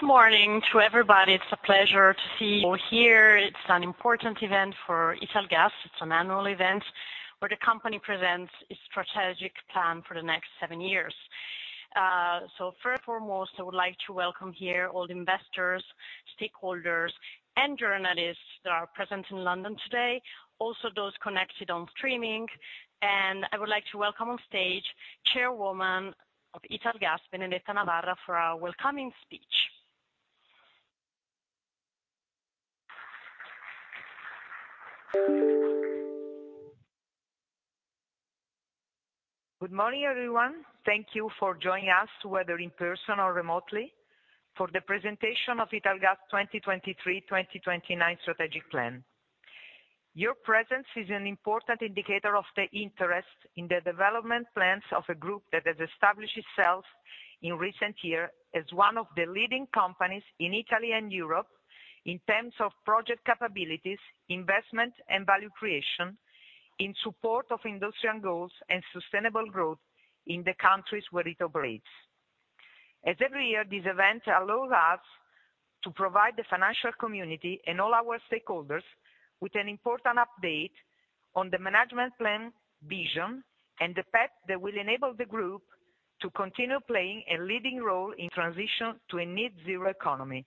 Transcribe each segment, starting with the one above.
Good morning to everybody. It's a pleasure to see you all here. It's an important event for Italgas. It's an annual event where the company presents its strategic plan for the next seven years. First and foremost, I would like to welcome here all the investors, stakeholders, and journalists that are present in London today, also those connected on streaming. I would like to welcome on stage, Chairwoman of Italgas, Benedetta Navarra, for our welcoming speech. Good morning, everyone. Thank you for joining us, whether in person or remotely, for the presentation of Italgas 2023/2029 strategic plan. Your presence is an important indicator of the interest in the development plans of a group that has established itself in recent years as one of the leading companies in Italy and Europe in terms of project capabilities, investment, and value creation, in support of industrial goals and sustainable growth in the countries where it operates. As every year, this event allows us to provide the financial community and all our stakeholders with an important update on the management plan vision and the path that will enable the group to continue playing a leading role in transition to a Net Zero economy.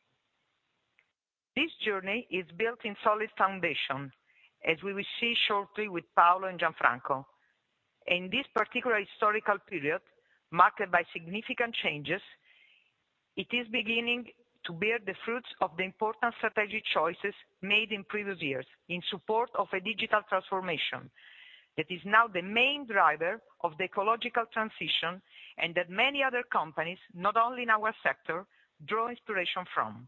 This journey is built in solid foundation, as we will see shortly with Paolo and Gianfranco. In this particular historical period, marked by significant changes, it is beginning to bear the fruits of the important strategic choices made in previous years in support of a digital transformation that is now the main driver of the ecological transition and that many other companies, not only in our sector, draw inspiration from.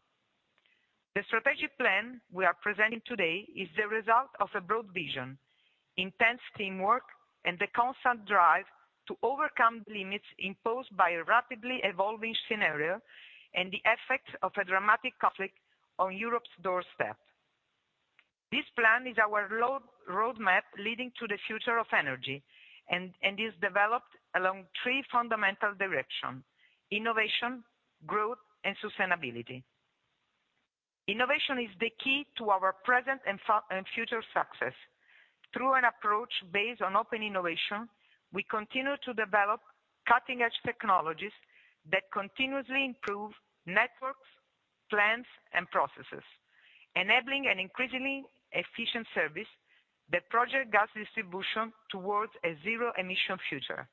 The strategic plan we are presenting today is the result of a broad vision, intense teamwork, and the constant drive to overcome the limits imposed by a rapidly evolving scenario and the effects of a dramatic conflict on Europe's doorstep. This plan is our road map leading to the future of energy and is developed along three fundamental directions: innovation, growth, and sustainability. Innovation is the key to our present and future success. Through an approach based on open innovation, we continue to develop cutting-edge technologies that continuously improve networks, plans, and processes, enabling an increasingly efficient service that project gas distribution towards a zero-emission future.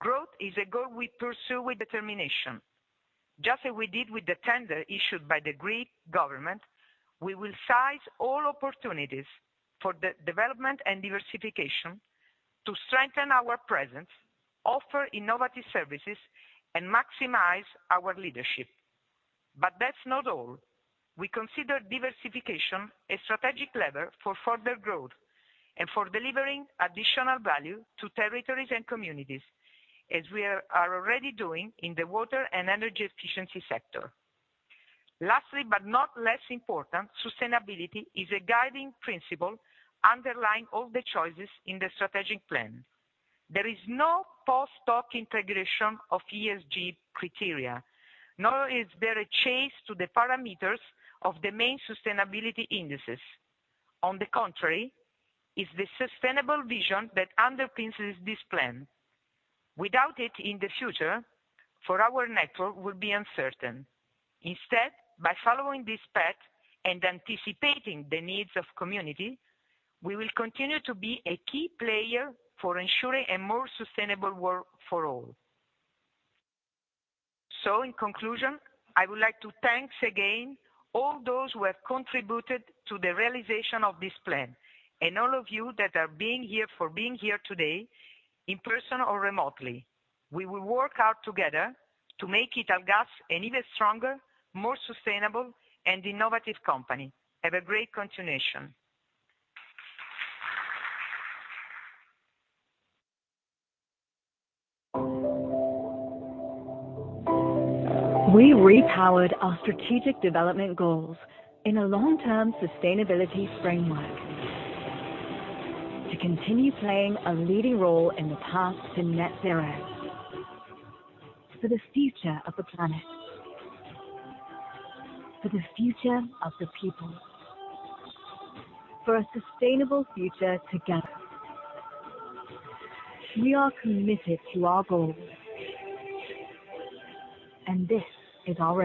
Growth is a goal we pursue with determination. Just as we did with the tender issued by the Greek government, we will seize all opportunities for the development and diversification to strengthen our presence, offer innovative services, and maximize our leadership. That's not all. We consider diversification a strategic lever for further growth and for delivering additional value to territories and communities, as we are already doing in the water and energy efficiency sector. Lastly, but not less important, sustainability is a guiding principle underlying all the choices in the strategic plan. There is no post-talk integration of ESG criteria, nor is there a chase to the parameters of the main sustainability indices. On the contrary, it's the sustainable vision that underpins this plan. Without it in the future, for our network will be uncertain. By following this path and anticipating the needs of community, we will continue to be a key player for ensuring a more sustainable world for all. In conclusion, I would like to thanks again all those who have contributed to the realization of this plan and all of you that are being here, for being here today, in person or remotely. We will work out together to make Italgas an even stronger, more sustainable, and innovative company. Have a great continuation. We repowered our strategic development goals in a long-term sustainability framework to continue playing a leading role in the path to Net Zero for the future of the planet, for the future of the people, for a sustainable future together. We are committed to our goals, and this is our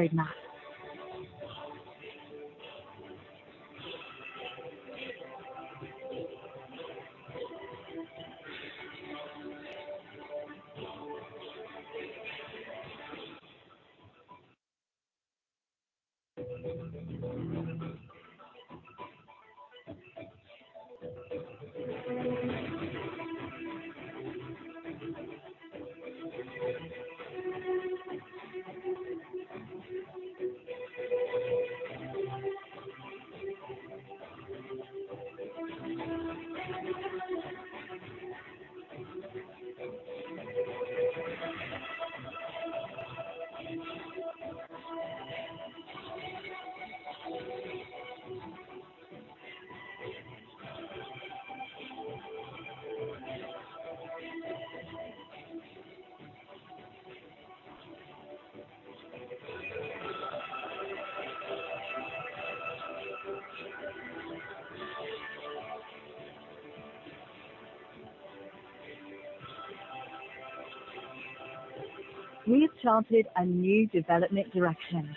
road map. We have charted a new development direction,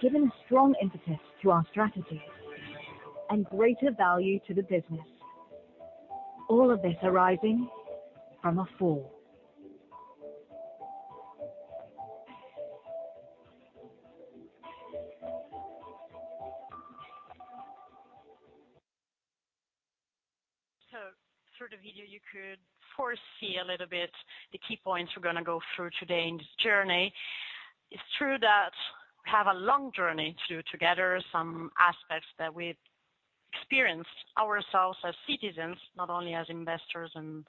given strong impetus to our strategy and greater value to the business. All of this arising from a fall. Through the video, you could foresee a little bit the key points we're going to go through today in this journey. It's true that we have a long journey to, together, some aspects that we experienced ourselves as citizens, not only as investors and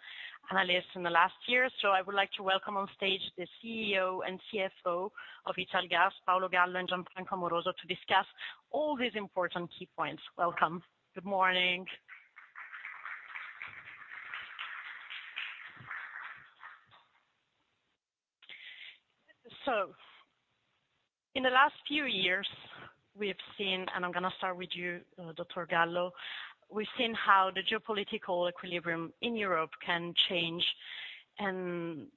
analysts in the last year. I would like to welcome on stage the CEO and CFO of Italgas, Paolo Gallo and Gianfranco Amoroso, to discuss all these important key points. Welcome. Good morning. In the last few years, we have seen, and I'm going to start with you, Dr. Gallo. We've seen how the geopolitical equilibrium in Europe can change and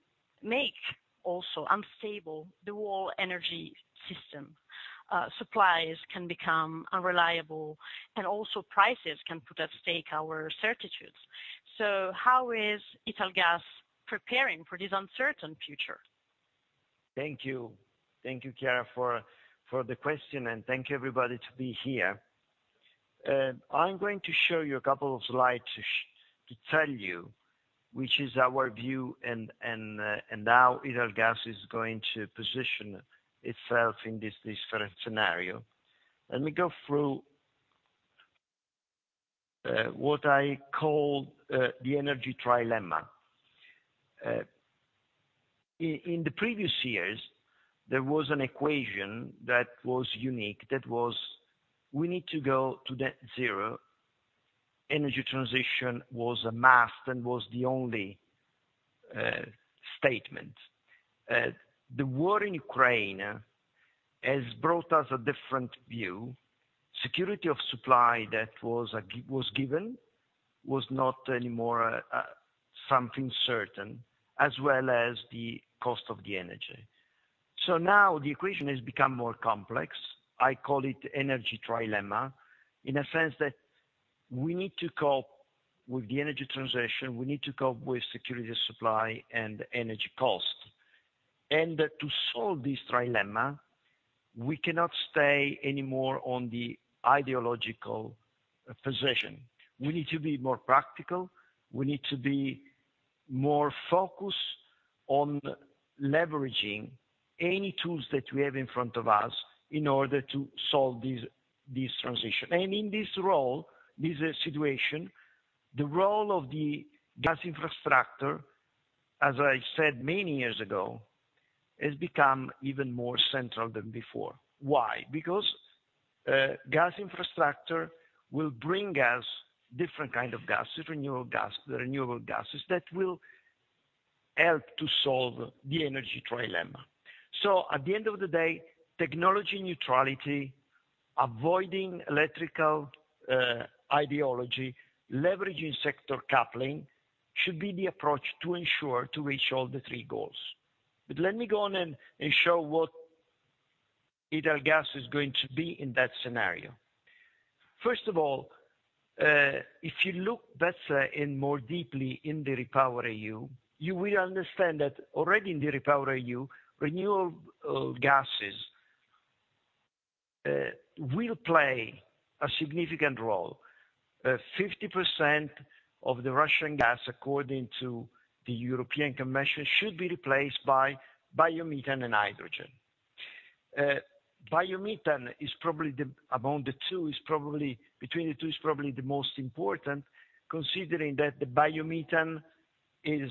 make also unstable the whole energy system. Supplies can become unreliable, and also prices can put at stake our certitudes. How is Italgas preparing for this uncertain future? Thank you. Thank you, Chiara, for the question. Thank you, everybody to be here. I'm going to show you a couple of slides to tell you which is our view and how Italgas is going to position itself in this scenario. Let me go through what I call the energy trilemma. In the previous years, there was an equation that was unique, that was: we need to go to Net Zero. Energy transition was a must and was the only statement. The war in Ukraine has brought us a different view. Security of supply that was given, was not anymore something certain, as well as the cost of the energy. Now the equation has become more complex. I call it energy trilemma, in a sense that we need to cope with the energy transition, we need to cope with security of supply and energy cost. To solve this trilemma, we cannot stay anymore on the ideological position. We need to be more practical. We need to be more focused on leveraging any tools that we have in front of us in order to solve this transition. In this role, this situation, the role of the gas infrastructure, as I said many years ago, has become even more central than before. Why? Because gas infrastructure will bring us different kind of gases, renewable gas, the renewable gases, that will help to solve the energy trilemma. At the end of the day, technology neutrality, avoiding electrical ideology, leveraging sector coupling, should be the approach to ensure to reach all the three goals. Let me go on and show what Italgas is going to be in that scenario. First of all, if you look better and more deeply in the REPowerEU, you will understand that already in the REPowerEU, renewable gases will play a significant role. 50% of the Russian gas, according to the European Commission, should be replaced by biomethane and hydrogen. biomethane is probably the most important between the two, considering that biomethane is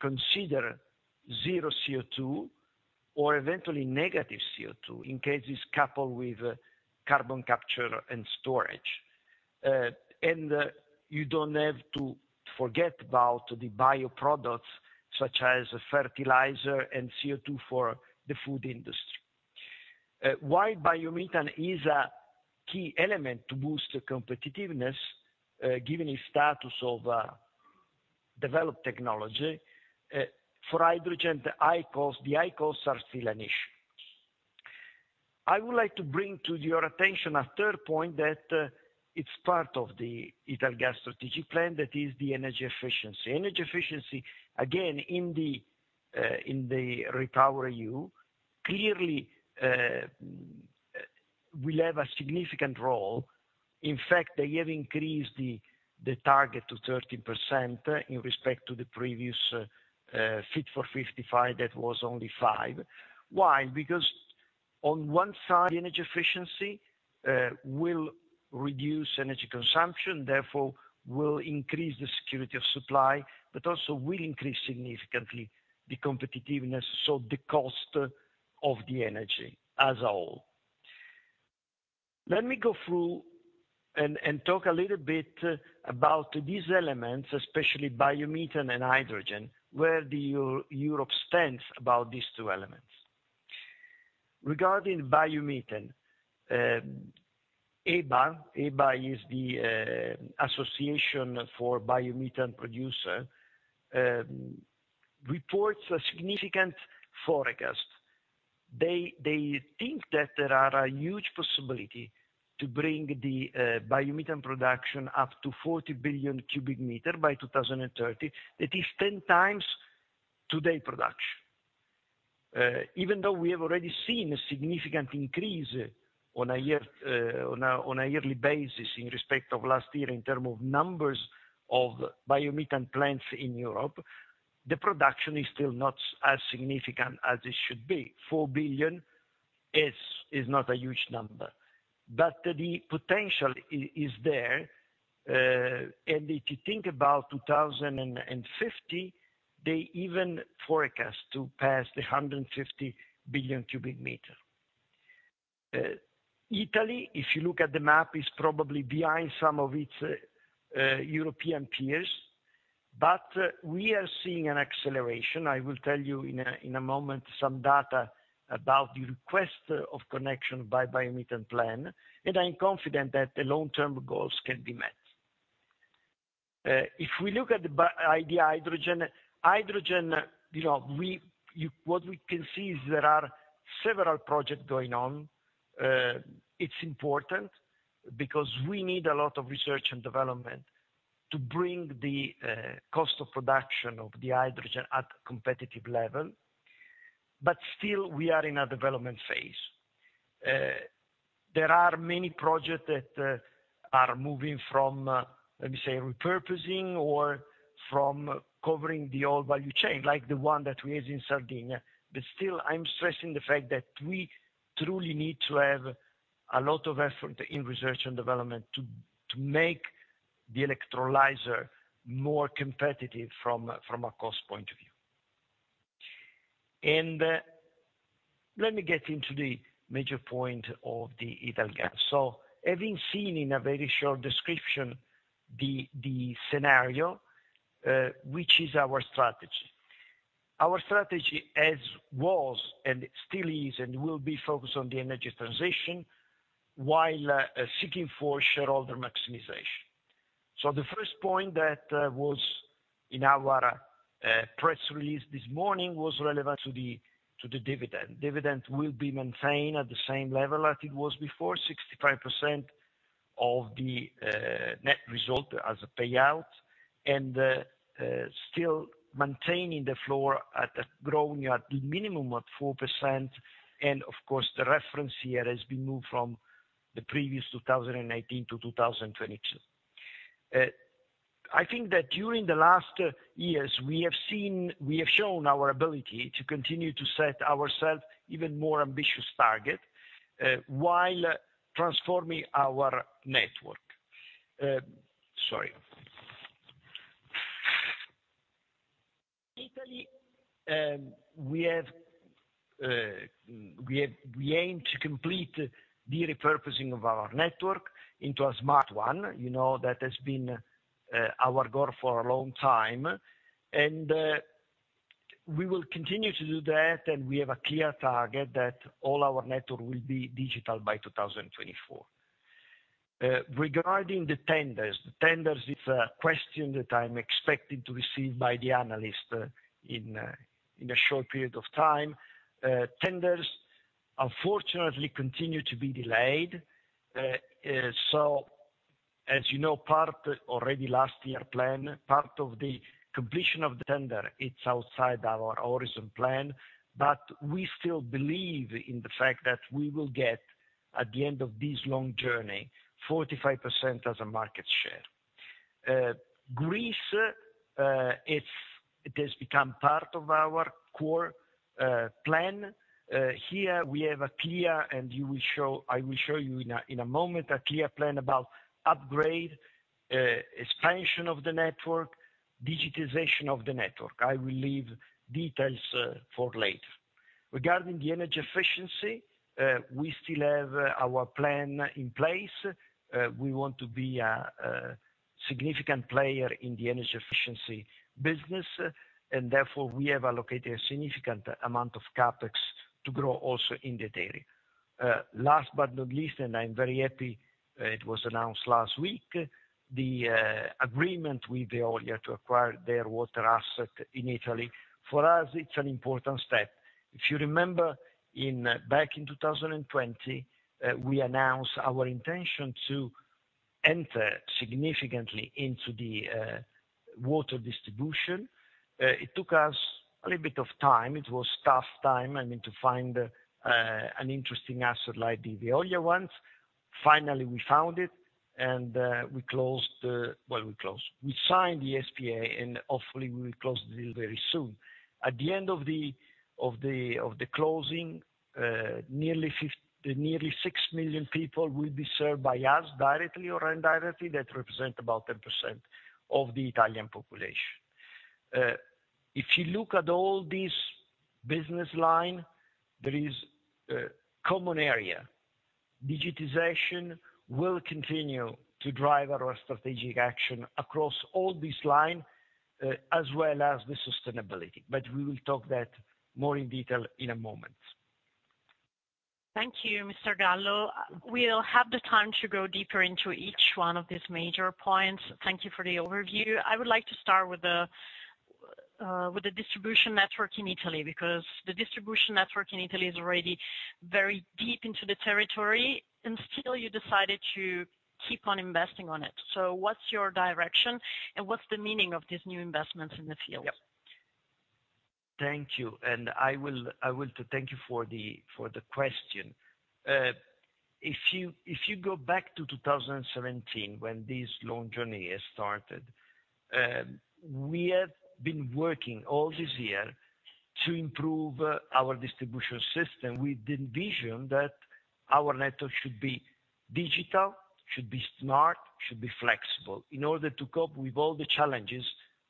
considered zero CO2 or eventually negative CO2, in case it's coupled with carbon capture and storage. You don't have to forget about the bioproducts, such as fertilizer and CO2 for the food industry. While biomethane is a key element to boost the competitiveness, given its status of developed technology for hydrogen, the high costs are still an issue. I would like to bring to your attention a third point that it's part of the Italgas strategic plan, that is the energy efficiency. Energy efficiency, again, in the REPowerEU, clearly will have a significant role. In fact, they have increased the target to 13% in respect to the previous Fit for 55, that was only 5. Why? Because on one side, energy efficiency will reduce energy consumption, therefore, will increase the security of supply, but also will increase significantly the competitiveness, so the cost of the energy as a whole. Let me go through and talk a little bit about these elements, especially biomethane and hydrogen. Where do Europe stands about these two elements? Regarding biomethane, EBA is the Association for Biomethane Producer reports a significant forecast. They think that there are a huge possibility to bring the biomethane production up to 40 billion cubic meter by 2030. That is 10x today production. Even though we have already seen a significant increase on a year on a yearly basis in respect of last year in terms of numbers of biomethane plants in Europe, the production is still not as significant as it should be. 4 billion is not a huge number, but the potential is there. If you think about 2050, they even forecast to pass the 150 billion cubic meter. Italy, if you look at the map, is probably behind some of its European peers, but we are seeing an acceleration. I will tell you in a moment some data about the request of connection by biomethane plant, and I'm confident that the long-term goals can be met. If we look at the hydrogen, you know, what we can see is there are several projects going on. It's important because we need a lot of research and development to bring the cost of production of the hydrogen at a competitive level. Still we are in a development phase. There are many projects that are moving from, let me say, repurposing or from covering the old value chain, like the one that we have in Sardinia. Still, I'm stressing the fact that we truly need to have a lot of effort in research and development to make the electrolyzer more competitive from a cost point of view. Let me get into the major point of Italgas. Having seen in a very short description, the scenario, which is our strategy? Our strategy as was, and still is, and will be focused on the energy transition, while seeking for shareholder maximization. The first point that was in our press release this morning was relevant to the dividend. Dividend will be maintained at the same level as it was before, 65% of the net result as a payout, still maintaining the floor at a growing at the minimum of 4%, the reference here has been moved from the previous 2018 to 2022. I think that during the last years, we have shown our ability to continue to set ourselves even more ambitious target while transforming our network. Sorry. Italy, we aim to complete the repurposing of our network into a smart one. You know, that has been our goal for a long time. We will continue to do that, and we have a clear target that all our network will be digital by 2024. Regarding the tenders, the tenders is a question that I'm expecting to receive by the analyst in a short period of time. Tenders, unfortunately, continue to be delayed. As you know, part already last year plan, part of the completion of the tender, it's outside our horizon plan, but we still believe in the fact that we will get, at the end of this long journey, 45% as a market share. Greece, it has become part of our core plan. Here we have a clear, and I will show you in a moment, a clear plan about upgrade, expansion of the network, digitization of the network. I will leave details for later. Regarding the energy efficiency, we still have our plan in place. We want to be a significant player in the energy efficiency business, and therefore, we have allocated a significant amount of CapEx to grow also in the area. Last but not least, and I'm very happy, it was announced last week, the agreement with Veolia to acquire their water asset in Italy. For us, it's an important step. If you remember, in back in 2020, we announced our intention to enter significantly into the water distribution. It took us a little bit of time. It was tough time, I mean, to find an interesting asset like the Veolia ones. Finally, we found it. Well, we closed. We signed the SPA, and hopefully, we will close the deal very soon. At the end of the closing, nearly 6 million people will be served by us directly or indirectly. That represent about 10% of the Italian population. If you look at all these business line, there is a common area. Digitization will continue to drive our strategic action across all these line, as well as the sustainability, but we will talk that more in detail in a moment. Thank you, Mr. Gallo. We'll have the time to go deeper into each one of these major points. Thank you for the overview. I would like to start with the distribution network in Italy, because the distribution network in Italy is already very deep into the territory, still you decided to keep on investing on it. What's your direction, and what's the meaning of these new investments in the field? Yep. Thank you. I want to thank you for the question. If you go back to 2017, when this long journey has started, we have been working all these year to improve our distribution system. We did vision that our network should be digital, should be smart, should be flexible, in order to cope with all the challenges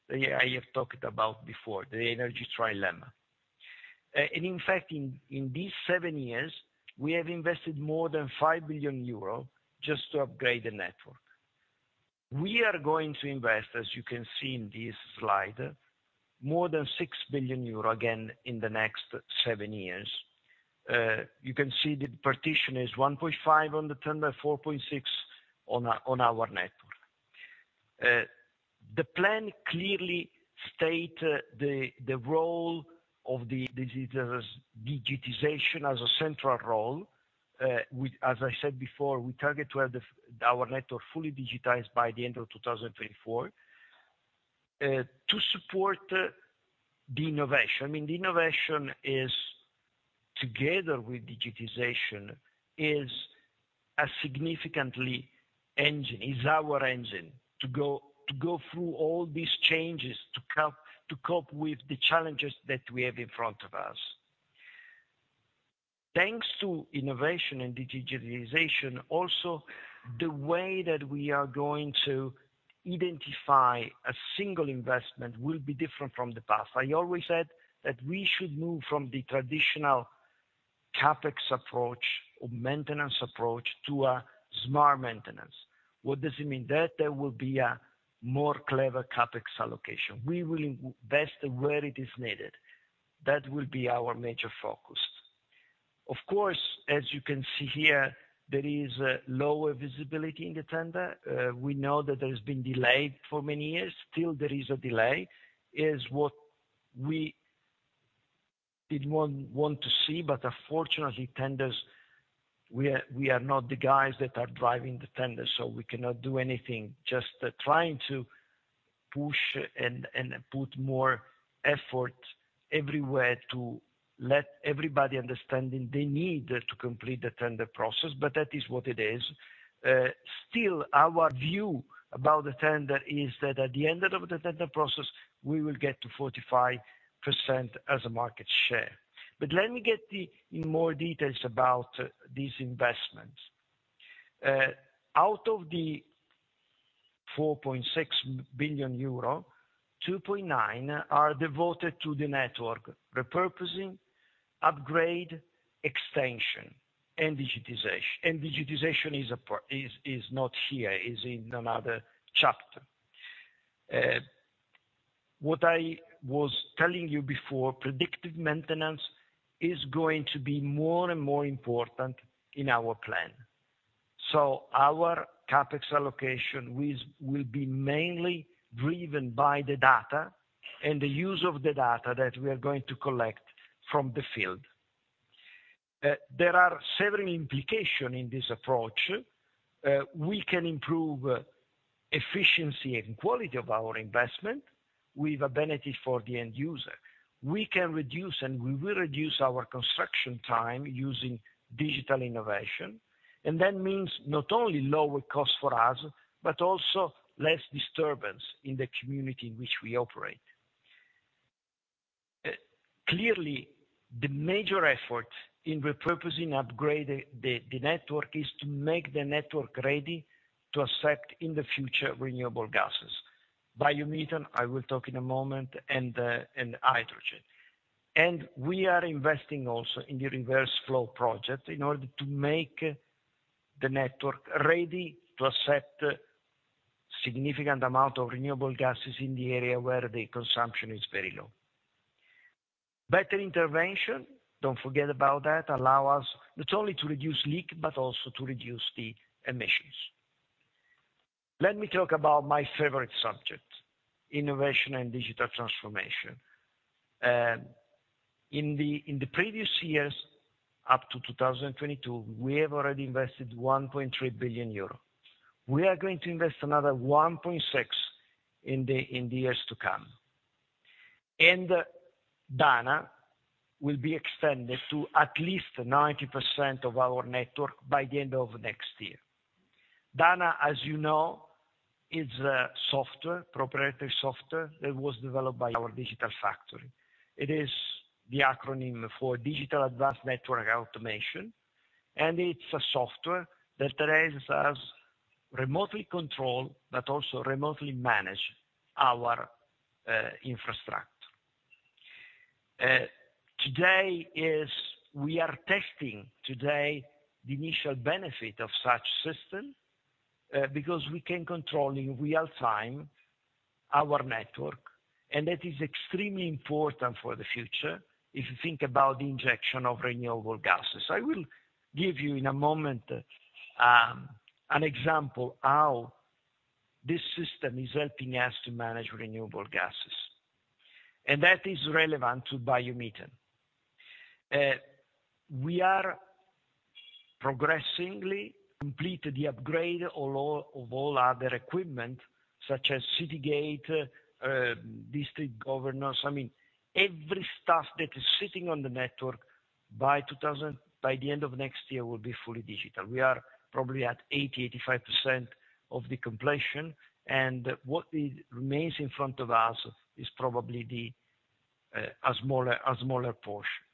that I have talked about before, the energy trilemma. In fact, in these seven years, we have invested more than 5 billion euro just to upgrade the network. We are going to invest, as you can see in this slide, more than 6 billion euro again in the next seven years. You can see the partition is 1.5 billion on the tender, 4.6 billion on our network. The plan clearly state the role of digitization as a central role. As I said before, we target to have our network fully digitized by the end of 2024 to support the innovation. The innovation is, together with digitization, is a significantly engine, is our engine, to go through all these changes, to cope with the challenges that we have in front of us. Thanks to innovation and digitalization, also, the way that we are going to identify a single investment will be different from the past. I always said that we should move from the traditional CapEx approach or maintenance approach to a smart maintenance. What does it mean? There will be a more clever CapEx allocation. We will invest where it is needed. That will be our major focus. Of course, as you can see here, there is a lower visibility in the tender. We know that there has been delayed for many years. Still, there is a delay. Is what we did want to see, but unfortunately, tenders we are not the guys that are driving the tenders, so we cannot do anything, just trying to push and put more effort everywhere to let everybody understanding the need to complete the tender process, but that is what it is. Still, our view about the tender is that at the end of the tender process, we will get to 45% as a market share. Let me get the in more details about these investments. Out of the 4.6 billion euro, 2.9 billion are devoted to the network: repurposing, upgrade, extension, and digitization. Digitization is not here, is in another chapter. What I was telling you before, predictive maintenance is going to be more and more important in our plan. Our CapEx allocation will be mainly driven by the data and the use of the data that we are going to collect from the field. There are several implication in this approach. We can improve efficiency and quality of our investment with a benefit for the end user. We can reduce, and we will reduce our construction time using digital innovation, and that means not only lower cost for us, but also less disturbance in the community in which we operate. Clearly, the major effort in repurposing, upgrading the network is to make the network ready to accept, in the future, renewable gases. Biomethane, I will talk in a moment, and hydrogen. We are investing also in the reverse flow project, in order to make the network ready to accept significant amount of renewable gases in the area where the consumption is very low. Better intervention, don't forget about that, allow us not only to reduce leak, but also to reduce the emissions. Let me talk about my favorite subject, innovation and digital transformation. In the previous years, up to 2022, we have already invested 1.3 billion euro. We are going to invest another 1.6 billion in the years to come. DANA will be extended to at least 90% of our network by the end of next year. DANA, as you know, is a software, proprietary software, that was developed by our Digital Factory. It is the acronym for Digital Advanced Network Automation, it's a software that allows remotely control, but also remotely manage our infrastructure. We are testing today the initial benefit of such system because we can control in real time our network, that is extremely important for the future if you think about the injection of renewable gases. I will give you, in a moment, an example how this system is helping us to manage renewable gases. That is relevant to biomethane. We are progressively completed the upgrade all of all other equipment such as city gate, district governors. I mean, every stuff that is sitting on the network by the end of next year, will be fully digital. We are probably at 80%-85% of the completion, what remains in front of us is probably a smaller portion.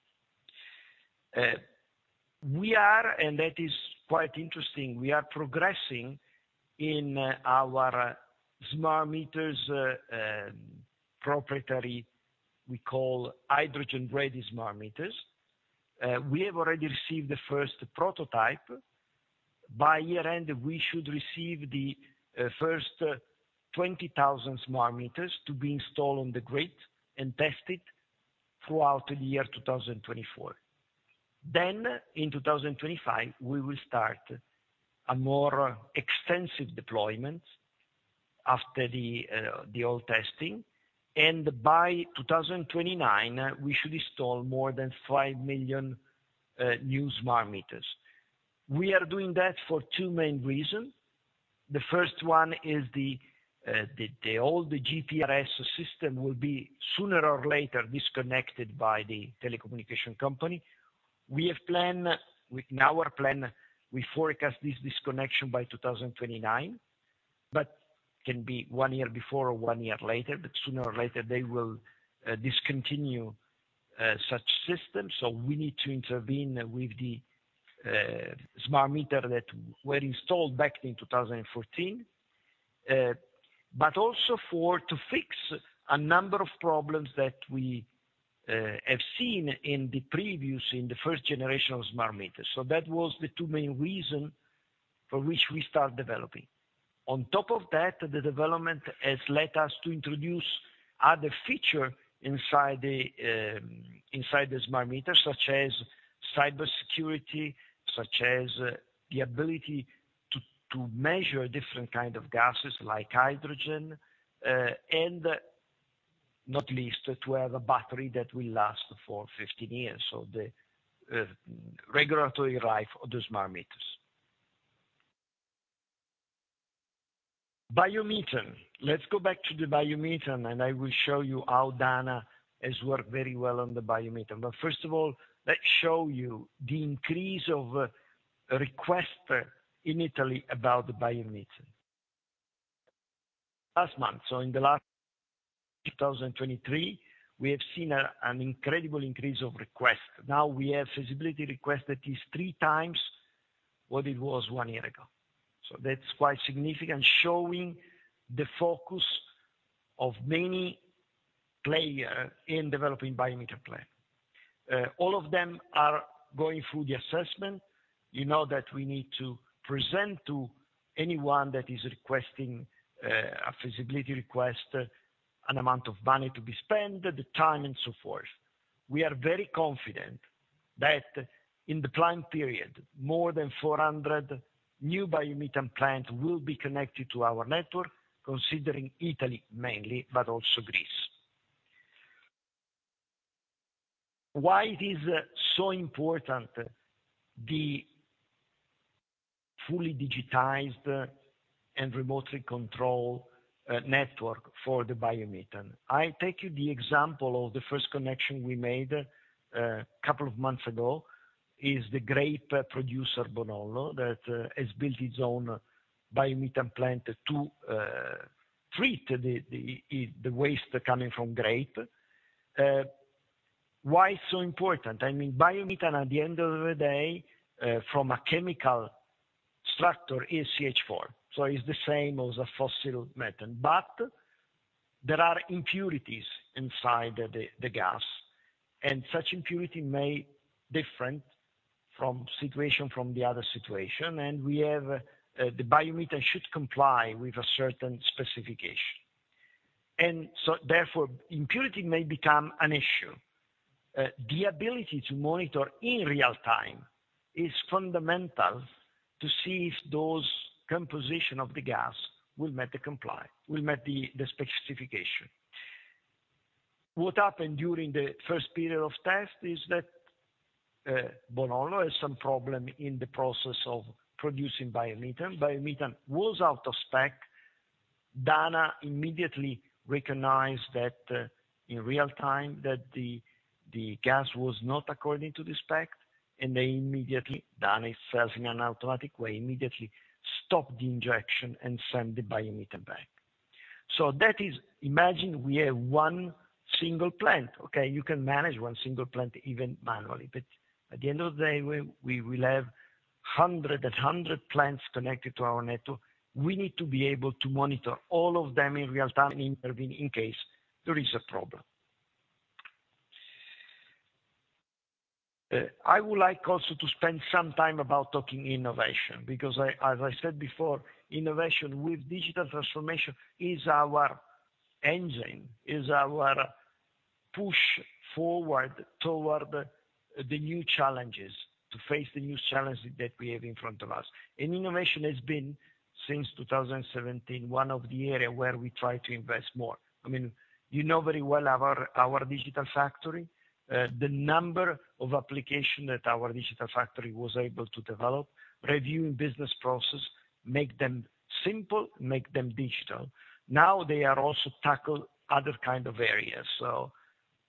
We are, and that is quite interesting, we are progressing in our smart meters, proprietary, we call hydrogen-ready smart meters. We have already received the first prototype. By year-end, we should receive the first 20,000 smart meters to be installed on the grid and tested throughout the year 2024. In 2025, we will start a more extensive deployment after the all testing, by 2029, we should install more than 5 million new smart meters. We are doing that for two main reasons. The first one is the old GPRS system will be sooner or later disconnected by the telecommunication company. With our plan, we forecast this disconnection by 2029, but can be one year before or one year later, but sooner or later they will discontinue such systems. We need to intervene with the smart meter that were installed back in 2014. Also for to fix a number of problems that we have seen in the first generation of smart meters. That was the two main reason for which we start developing. On top of that, the development has led us to introduce other feature inside the smart meter, such as cybersecurity, such as the ability to measure different kind of gases, like hydrogen, and not least, to have a battery that will last for 15 years, so the regulatory life of the smart meters. Biomethane. Let's go back to the biomethane, and I will show you how DANA has worked very well on the biomethane. First of all, let's show you the increase of request in Italy about the biomethane. Last month, in the last 2023, we have seen an incredible increase of requests. Now we have feasibility request that is three times what it was 1 year ago. That's quite significant, showing the focus of many player in developing biomethane plant. All of them are going through the assessment. You know, that we need to present to anyone that is requesting a feasibility request, an amount of money to be spent, the time, and so forth. We are very confident that in the planned period, more than 400 new biomethane plants will be connected to our network, considering Italy mainly, but also Greece. Why it is so important, the fully digitized and remotely controlled network for the biomethane? I take you the example of the first connection we made a couple of months ago, is the great producer, Bonollo, that has built its own biomethane plant to treat the waste coming from grape. Why it's so important? I mean, biomethane, at the end of the day, from a chemical structure, is CH4, so it's the same as a fossil methane. There are impurities inside the gas, and such impurity may different from situation, from the other situation, and we have the biomethane should comply with a certain specification. Therefore, impurity may become an issue. The ability to monitor in real time is fundamental to see if those composition of the gas will meet the specification. What happened during the first period of test is that Bonollo has some problem in the process of producing biomethane. Biomethane was out of spec. DANA immediately recognized that in real time, that the gas was not according to the spec, and they immediately, DANA says in an automatic way, immediately stopped the injection and send the biomethane back. That is, imagine we have one single plant, okay? You can manage one single plant even manually, but at the end of the day, we will have 100 and 100 plants connected to our network. We need to be able to monitor all of them in real time and intervene in case there is a problem. I would like also to spend some time about talking innovation, because as I said before, innovation with digital transformation is our engine, is our push forward toward the new challenges, to face the new challenges that we have in front of us. Innovation has been, since 2017, one of the area where we try to invest more. I mean, you know very well our Digital Factory, the number of application that our Digital Factory was able to develop, reviewing business process, make them simple, make them digital. They are also tackle other kind of areas, so,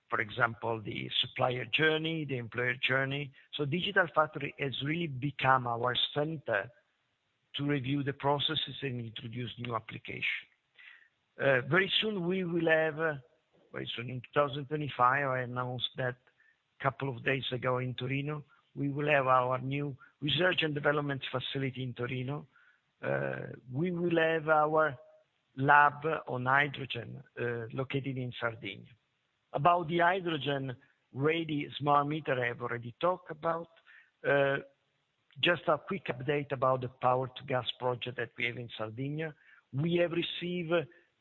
for example, the supplier journey, the employer journey. Digital Factory has really become our center to review the processes and introduce new application. Very soon we will have in 2025, I announced that couple of days ago in Torino, we will have our new research and development facility in Torino. We will have our lab on hydrogen located in Sardinia. About the hydrogen-ready smart meter, I have already talked about. Just a quick update about the power-to-gas project that we have in Sardinia. We have received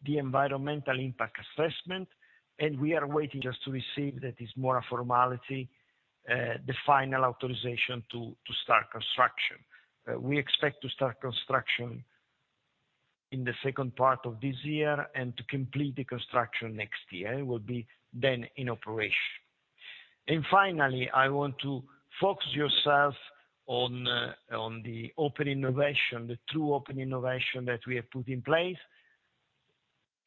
the environmental impact assessment, and we are waiting just to receive, that is more a formality, the final authorization to start construction. We expect to start construction in the second part of this year, and to complete the construction next year, it will be then in operation. Finally, I want to focus yourself on the open innovation, the true open innovation that we have put in place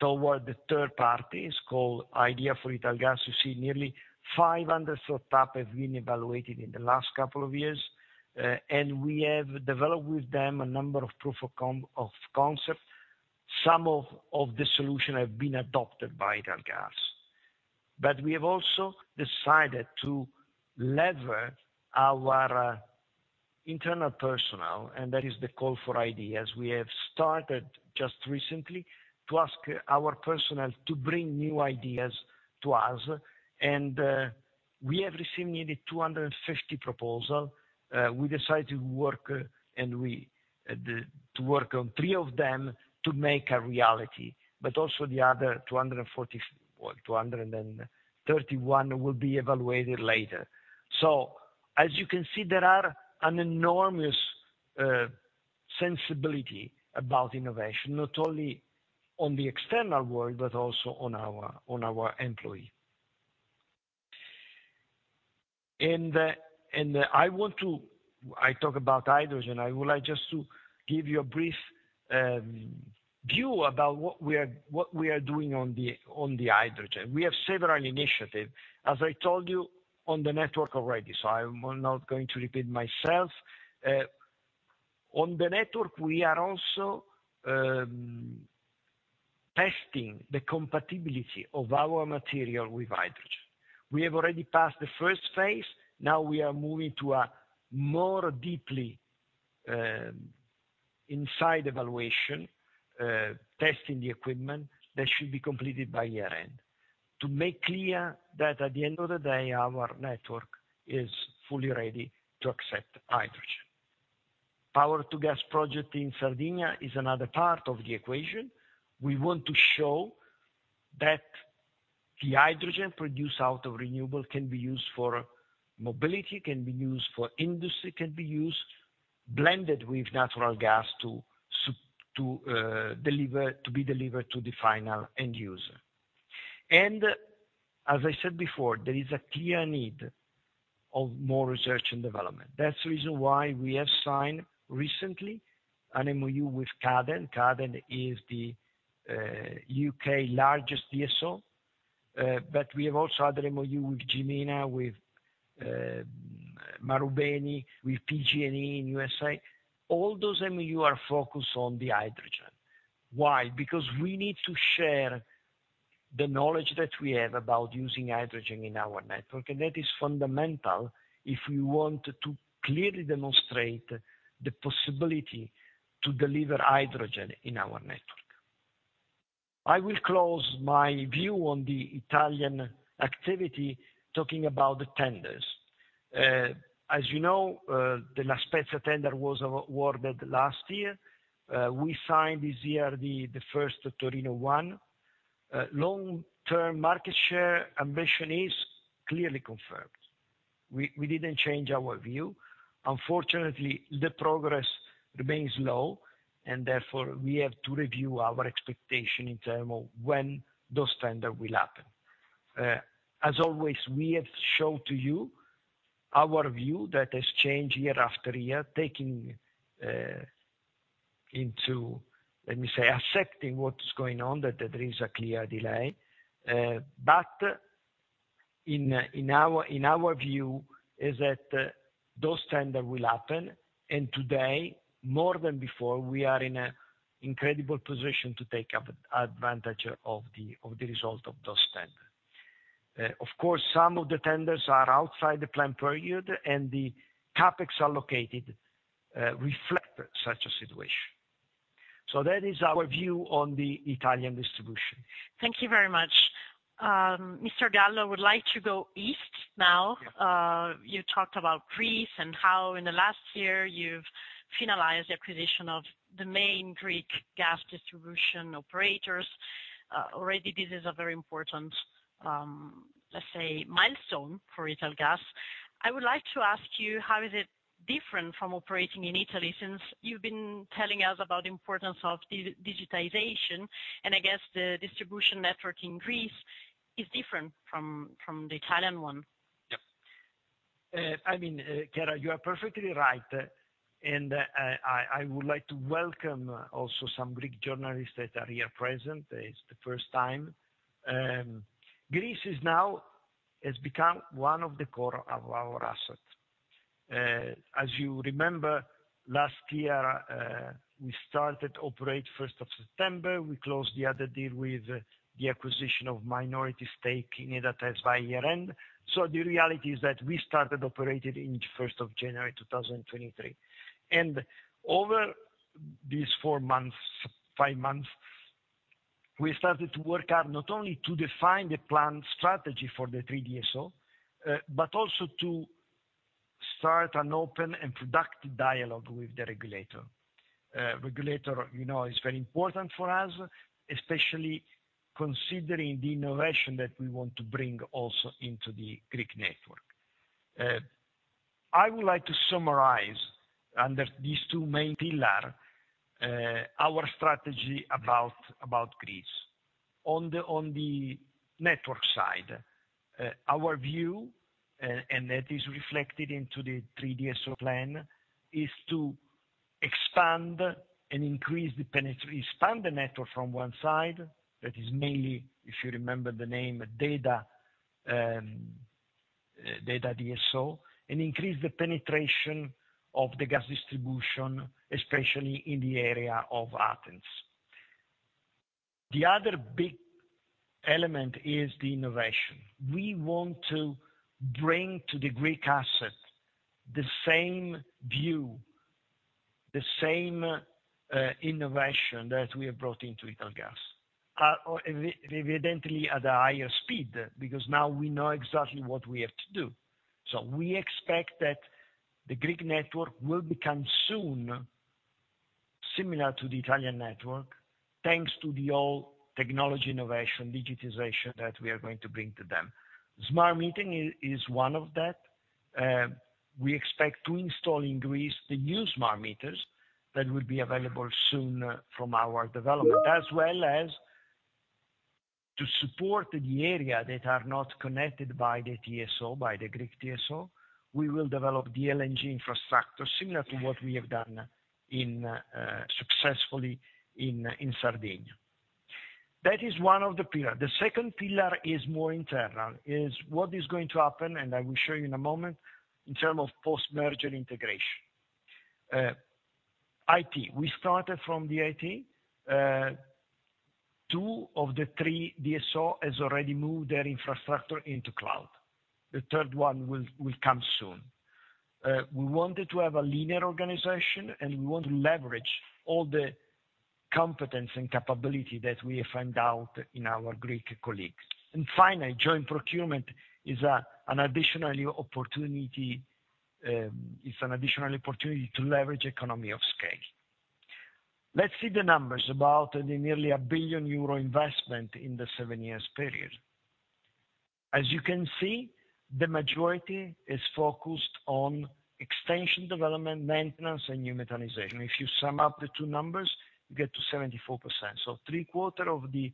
toward the third parties, called Ideas4Italgas. You see nearly 500 startup have been evaluated in the last couple of years, and we have developed with them a number of proof of concept. Some of the solution have been adopted by Italgas. We have also decided to lever our internal personnel, and that is the call for ideas. We have started just recently to ask our personnel to bring new ideas to us, and we have received nearly 250 proposal. We decided to work, to work on three of them to make a reality, but also the other 240... well, 231 will be evaluated later. As you can see, there is an enormous sensibility about innovation, not only on the external world, but also on our employee. I want to talk about hydrogen. I would like just to give you a brief view about what we are doing on the hydrogen. We have several initiatives, as I told you on the network already, so I'm not going to repeat myself. On the network, we are also testing the compatibility of our material with hydrogen. We have already passed the first phase, now we are moving to a more deeply inside evaluation, testing the equipment that should be completed by year-end. To make clear that at the end of the day, our network is fully ready to accept hydrogen. Power-to-gas project in Sardinia is another part of the equation. We want to show that the hydrogen produced out of renewable can be used for mobility, can be used for industry, can be used blended with natural gas to be delivered to the final end user. As I said before, there is a clear need of more research and development. That's the reason why we have signed recently an MOU with Cadent. Cadent is the U.K. largest DSO, we have also other MOU with Jemena, with Marubeni, with PG&E in U.S.A. All those MOU are focused on the hydrogen. Why? Because we need to share the knowledge that we have about using hydrogen in our network. That is fundamental if we want to clearly demonstrate the possibility to deliver hydrogen in our network. I will close my view on the Italian activity, talking about the tenders. As you know, the La Spezia tender was awarded last year. We signed this year the first Torino 1. Long-term market share ambition is clearly confirmed. We didn't change our view. Unfortunately, the progress remains low. Therefore, we have to review our expectation in term of when those tender will happen. As always, we have showed to you our view that has changed year after year, taking into, let me say, accepting what is going on, that there is a clear delay. In our view, is that those tender will happen. Today, more than before, we are in an incredible position to take up advantage of the result of those tender. Of course, some of the tenders are outside the plan period, and the CapEx allocated reflect such a situation. That is our view on the Italian distribution. Thank you very much. Mr. Gallo, I would like to go East now. Yeah. You talked about Greece and how in the last year you've finalized the acquisition of the main Greek gas distribution operators. Already this is a very important, let's say, milestone for Italgas. I would like to ask you, how is it different from operating in Italy, since you've been telling us about importance of digitization, and I guess the distribution network in Greece is different from the Italian one? Yep. I mean, Chiara, you are perfectly right. I would like to welcome also some Greek journalists that are here present. It's the 1st time. Greece is now, has become one of the core of our asset. As you remember, last year, we started operate first of September, we closed the other deal with the acquisition of minority stake in EDA Thess by year-end. The reality is that we started operating in first of January 2023, and over these five months, we started to work out not only to define the plan strategy for the three DSO, but also to start an open and productive dialogue with the regulator. Regulator, you know, is very important for us, especially considering the innovation that we want to bring also into the Greek network. I would like to summarize under these two main pillar, our strategy about Greece. On the network side, our view, and that is reflected into the three DSO plan, is to expand and increase the network from one side, that is mainly, if you remember the name, DEDA DSO, and increase the penetration of the gas distribution, especially in the area of Athens. The other big element is the innovation. We want to bring to the Greek asset the same view, the same innovation that we have brought into Italgas, or evidently at a higher speed, because now we know exactly what we have to do. We expect that the Greek network will become soon similar to the Italian network, thanks to the all technology, innovation, digitization that we are going to bring to them. Smart metering is one of that. We expect to install in Greece the new smart meters that will be available soon from our development, as well as to support the area that are not connected by the TSO, by the Greek TSO, we will develop the LNG infrastructure, similar to what we have done in, successfully in Sardinia. That is one of the pillar. The second pillar is more internal, is what is going to happen, and I will show you in a moment, in terms of post-merger integration. IT. We started from the IT. Two of the three DSO has already moved their infrastructure into cloud. The third one will come soon. We wanted to have a linear organization, and we want to leverage all the competence and capability that we find out in our Greek colleagues. Finally, joint procurement is an additional opportunity to leverage economy of scale. Let's see the numbers about the nearly 1 billion euro investment in the seven years period. As you can see, the majority is focused on extension development, maintenance, and new methanization. If you sum up the two numbers, you get to 74%. Three quarter of the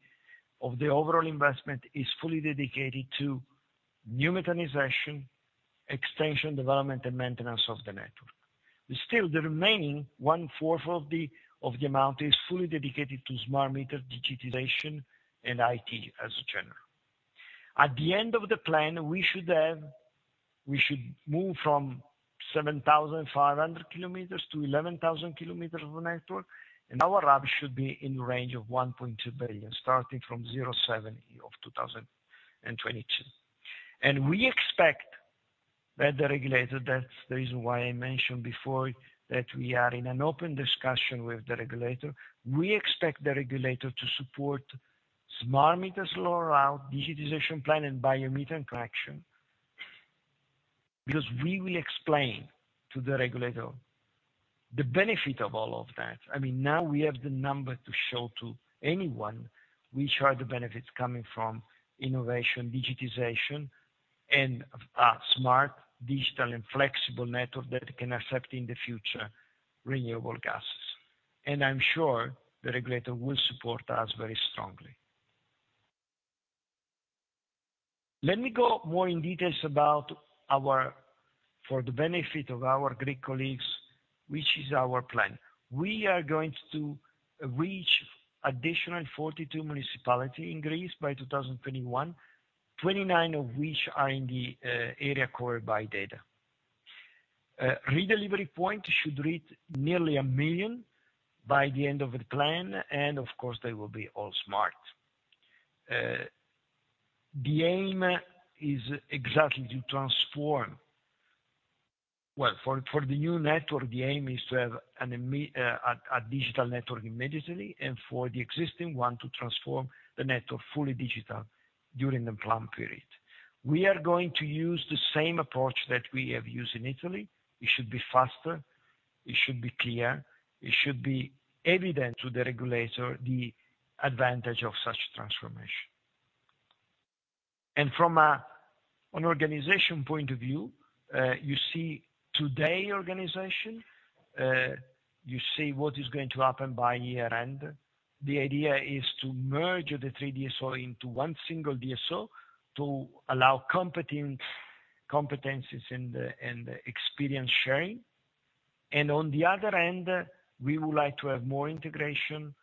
overall investment is fully dedicated to new methanization, extension, development, and maintenance of the network. Still, the remaining one fourth of the amount is fully dedicated to smart meter digitization and IT as a general. At the end of the plan, we should move from 7,500 km to 11,000 km of network, and our RAB should be in the range of 1.2 billion, starting from 0.7 billion of 2022. We expect that the regulator, that's the reason why I mentioned before that we are in an open discussion with the regulator, we expect the regulator to support smart meters roll out, digitization plan, and biomethane production, because we will explain to the regulator the benefit of all of that. I mean, now we have the number to show to anyone which are the benefits coming from innovation, digitization, and smart, digital, and flexible network that can accept in the future renewable gases, I'm sure the regulator will support us very strongly. Let me go more in detail. For the benefit of our Greek colleagues, which is our plan? We are going to reach additional 42 municipalities in Greece by 2021, 29 of which are in the area covered by DEDA. Redelivery points should reach nearly 1 million by the end of the plan, and of course, they will be all smart. The aim is exactly to transform. Well, for the new network, the aim is to have a digital network immediately, and for the existing one, to transform the network fully digital during the plan period. We are going to use the same approach that we have used in Italy. It should be faster, it should be clear, it should be evident to the regulator, the advantage of such transformation. From a, an organization point of view, you see today organization, you see what is going to happen by year-end. The idea is to merge the three DSO into one single DSO, to allow competent, competencies and experience sharing. On the other end, we would like to have more integration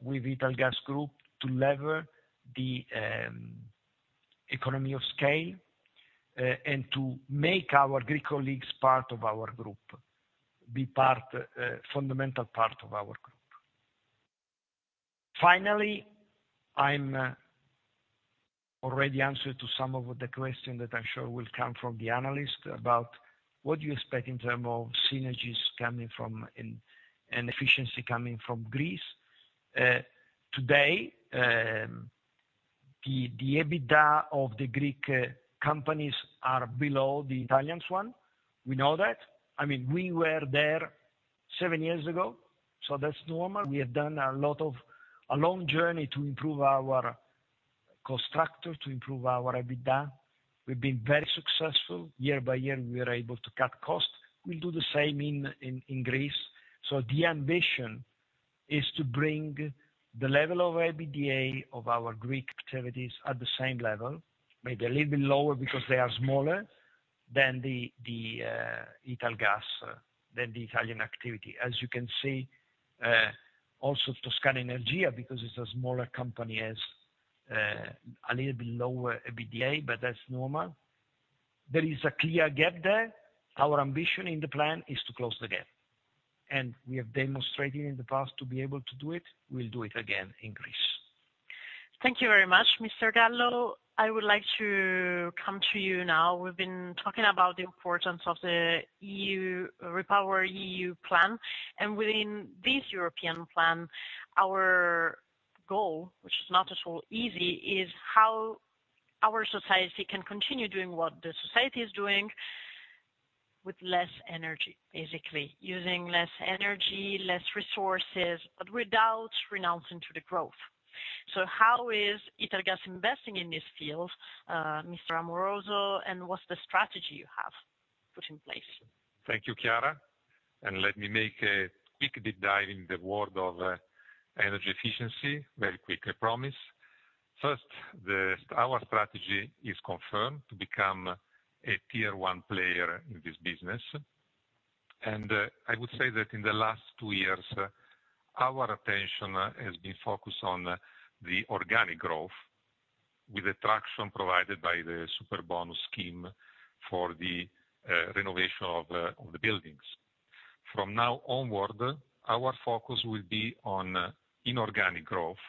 with Italgas group to lever the economy of scale and to make our Greek colleagues part of our group, be part, fundamental part of our group. Finally, I'm already answered to some of the question that I'm sure will come from the analyst about: What do you expect in term of synergies coming from, and efficiency coming from Greece? Today, the EBITDA of the Greek companies are below the Italians one. We know that. I mean, we were there seven years ago. That's normal. We have done a long journey to improve our cost structure, to improve our EBITDA. We've been very successful. Year by year, we are able to cut costs. We do the same in Greece. The ambition is to bring the level of EBITDA of our Greek activities at the same level, maybe a little bit lower, because they are smaller than the Italgas, than the Italian activity. As you can see, also, Toscana Energia, because it's a smaller company, has a little bit lower EBITDA. That's normal. There is a clear gap there. Our ambition in the plan is to close the gap. We have demonstrated in the past, to be able to do it, we'll do it again in Greece. Thank you very much, Mr. Gallo. I would like to come to you now. We've been talking about the importance of the EU, REPowerEU plan, and within this European plan, our goal, which is not at all easy, is how our society can continue doing what the society is doing with less energy, basically. Using less energy, less resources, but without renouncing to the growth. How is Italgas investing in this field, Mr. Amoroso, and what's the strategy you have put in place? Thank you, Chiara. Let me make a quick deep dive in the world of energy efficiency. Very quick, I promise. First, our strategy is confirmed to become a Tier 1 player in this business. I would say that in the last two years, our attention has been focused on the organic growth with the traction provided by the Superbonus scheme for the renovation of the buildings. From now onward, our focus will be on inorganic growth.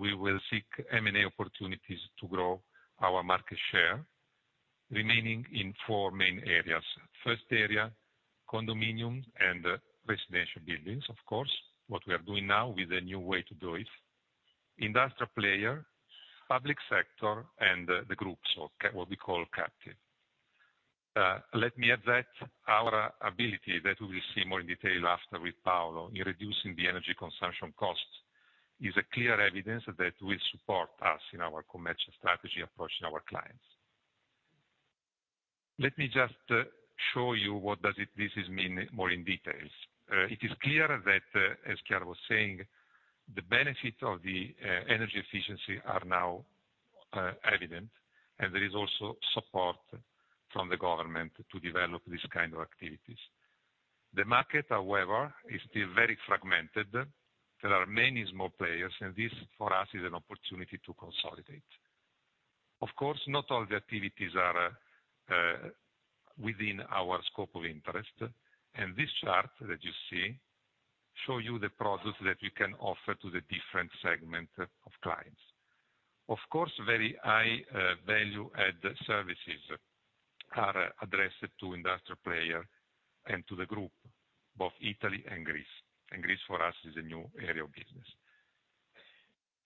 We will seek M&A opportunities to grow our market share, remaining in four main areas. First area, condominiums and residential buildings, of course, what we are doing now with a new way to do it. Industrial player, public sector. The groups, or what we call captive. Let me add that our ability, that we will see more in detail after with Paolo, in reducing the energy consumption costs, is a clear evidence that will support us in our commercial strategy approach in our clients. Let me just show you what does it, this is mean more in details. It is clear that as Chiara was saying, the benefits of the energy efficiency are now evident. There is also support from the government to develop these kind of activities. The market, however, is still very fragmented. There are many small players. This, for us, is an opportunity to consolidate. Of course, not all the activities are within our scope of interest. This chart that you see show you the products that we can offer to the different segment of clients. Of course, very high, value-add services are addressed to industrial player and to the group, both Italy and Greece. Greece, for us, is a new area of business.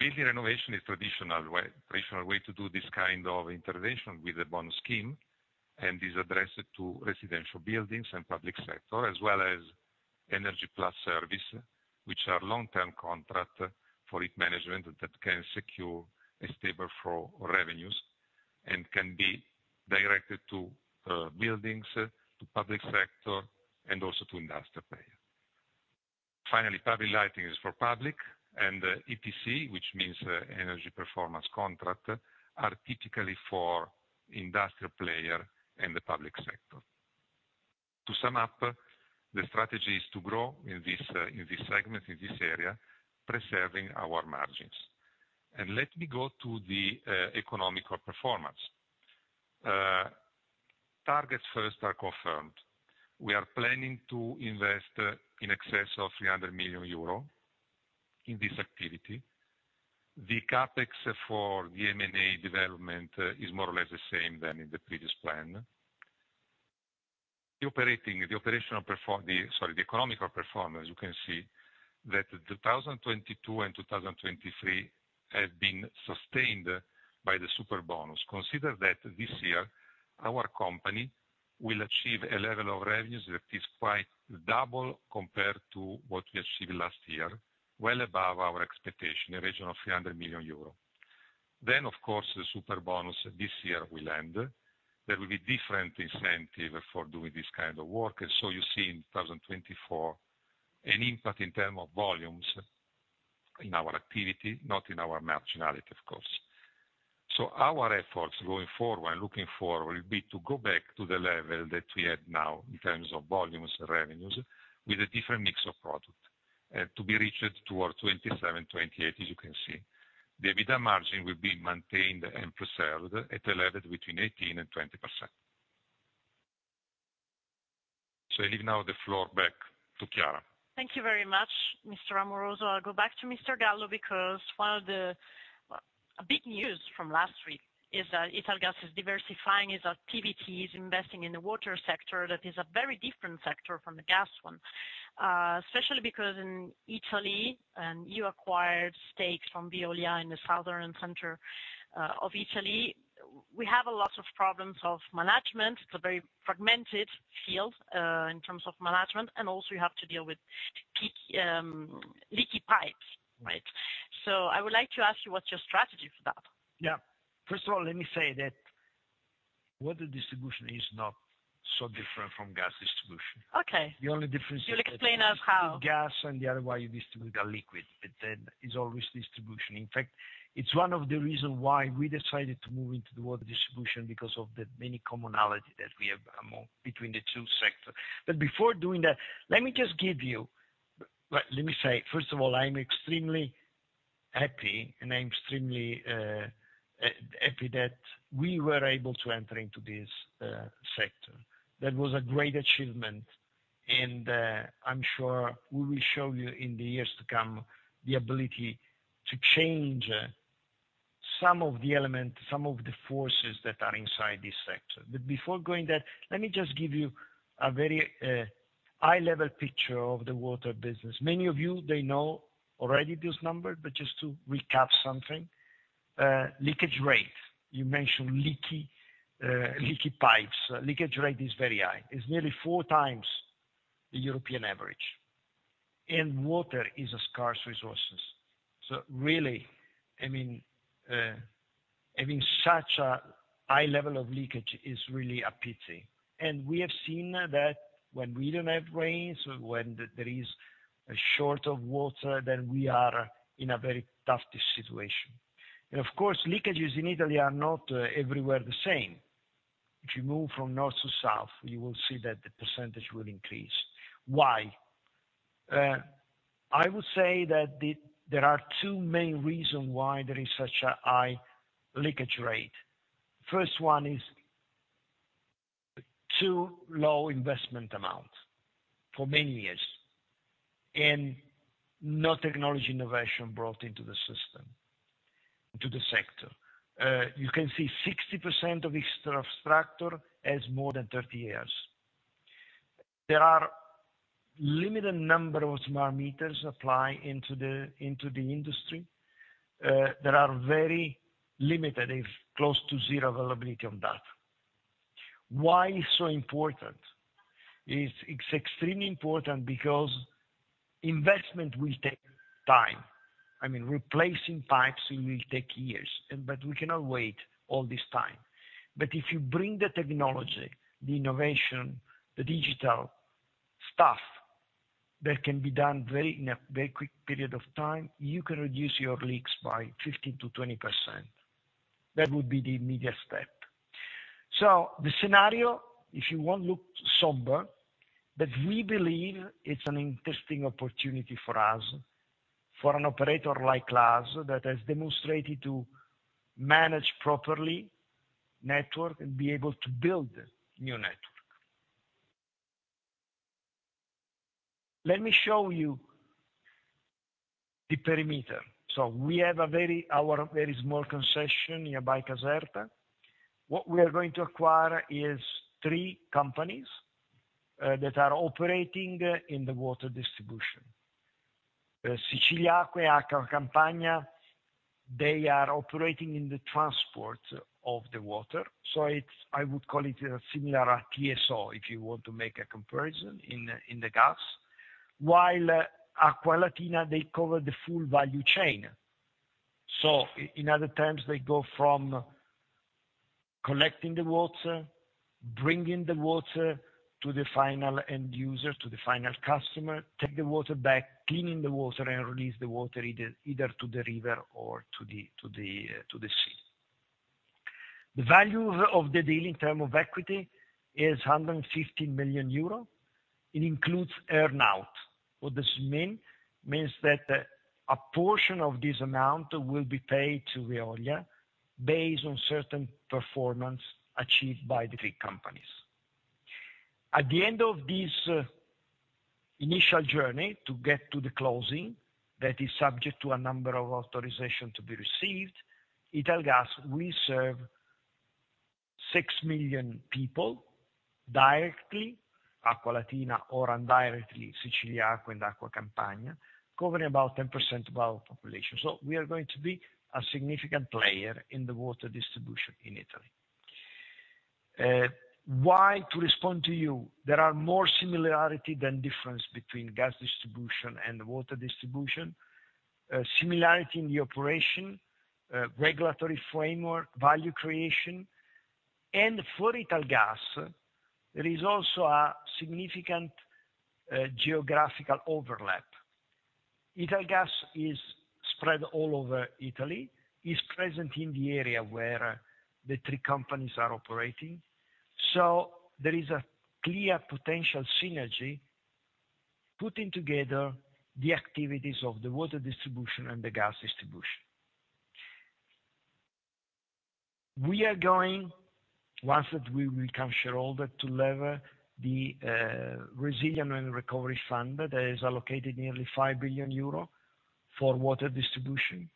Building renovation is traditional way to do this kind of intervention with a bonus scheme, is addressed to residential buildings and public sector, as well as Energy Plus Service, which are long-term contract for heat management that can secure a stable flow of revenues, can be directed to buildings, to public sector, and also to industrial players. Finally, public lighting is for public. EPC, which means Energy Performance Contract, are typically for industrial player and the public sector. To sum up, the strategy is to grow in this, in this segment, in this area, preserving our margins. Let me go to the economical performance. Targets first are confirmed. We are planning to invest in excess of 300 million euro in this activity. The CapEx for the M&A development is more or less the same than in the previous plan. The economical performance, you can see that 2022 and 2023 have been sustained by the Superbonus. Consider that this year, our company will achieve a level of revenues that is quite double compared to what we achieved last year, well above our expectation, in the region of 300 million euro. Of course, the Superbonus this year will end. There will be different incentive for doing this kind of work, you see in 2024, an impact in terms of volumes in our activity, not in our marginality, of course. Our efforts going forward and looking forward will be to go back to the level that we have now in terms of volumes and revenues, with a different mix of product, to be reached toward 2027, 2028, as you can see. The EBITDA margin will be maintained and preserved at a level between 18% and 20%. I leave now the floor back to Chiara. Thank you very much, Mr. Amoroso. I'll go back to Mr. Gallo, because one of the, well, a big news from last week is that Italgas is diversifying its activities, investing in the water sector. That is a very different sector from the gas one, especially because in Italy, and you acquired stakes from Veolia in the southern center of Italy, we have a lot of problems of management. It's a very fragmented field, in terms of management, and also you have to deal with leak, leaky pipes, right? I would like to ask you, what's your strategy for that? Yeah. First of all, let me say that water distribution is not so different from gas distribution. Okay. The only difference is. You'll explain us how? -gas and the other way, you distribute a liquid. It's always distribution. In fact, it's one of the reason why we decided to move into the water distribution, because of the many commonality that we have between the two sectors. Before doing that, let me just give you, well, let me say, first of all, I'm extremely happy, and I'm extremely happy that we were able to enter into this sector. That was a great achievement, and I'm sure we will show you, in the years to come, the ability to change some of the elements, some of the forces that are inside this sector. Before going there, let me just give you a very high-level picture of the water business. Many of you, they know already this number, just to recap something, leakage rate, you mentioned leaky pipes. Leakage rate is very high. It's nearly four times the European average, water is a scarce resources. Really, I mean, having such a high level of leakage is really a pity, we have seen that when we don't have rains, when there is a short of water, we are in a very tough situation. Of course, leakages in Italy are not everywhere the same. If you move from north to south, you will see that the percentage will increase. Why? I would say that there are two main reasons why there is such a high leakage rate. First one is too low investment amount for many years, no technology innovation brought into the system, to the sector. You can see 60% of infrastructure is more than 30 years. There are limited number of smart meters applied into the industry. There are very limited, if close to zero, availability of data. Why it's so important? It's extremely important because investment will take time. I mean, replacing pipes will take years, but we cannot wait all this time. If you bring the technology, the innovation, the digital stuff that can be done very, in a very quick period of time, you can reduce your leaks by 15%-20%. That would be the immediate step. The scenario, if you want, looks somber, but we believe it's an interesting opportunity for us, for an operator like us, that has demonstrated to manage properly network and be able to build new network. Let me show you the perimeter. We have very our small concession nearby Caserta. What we are going to acquire is three companies that are operating in the water distribution. Siciliacque, Acqua Campania, they are operating in the transport of the water, I would call it a similar TSO, if you want to make a comparison in the gas. Acqualatina, they cover the full value chain. In other terms, they go from collecting the water, bringing the water to the final end user, to the final customer, take the water back, cleaning the water, and release the water either to the river or to the sea. The value of the deal in term of equity is 150 million euro. It includes earn-out. What this mean? Means that a portion of this amount will be paid to Veolia based on certain performance achieved by the three companies. At the end of this initial journey to get to the closing, that is subject to a number of authorization to be received, Italgas, we serve 6 million people directly, Acqualatina, or indirectly, Siciliacque and Acqua Campania, covering about 10% of our population. We are going to be a significant player in the water distribution in Italy. Why, to respond to you, there are more similarity than difference between gas distribution and water distribution. Similarity in the operation, regulatory framework, value creation, and for Italgas, there is also a significant geographical overlap. Italgas is spread all over Italy, is present in the area where the three companies are operating. There is a clear potential synergy putting together the activities of the water distribution and the gas distribution. We are going, once that we become shareholder, to lever the Resilience and Recovery Fund, that is allocated nearly 5 billion euro for water distribution.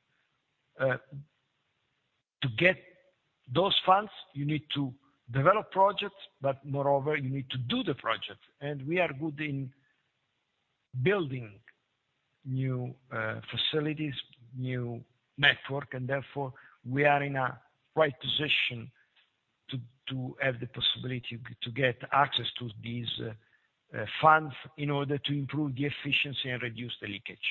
To get those funds, you need to develop projects, moreover, you need to do the projects, we are good in building new facilities, new network, and therefore, we are in a right position to have the possibility to get access to these funds in order to improve the efficiency and reduce the leakage.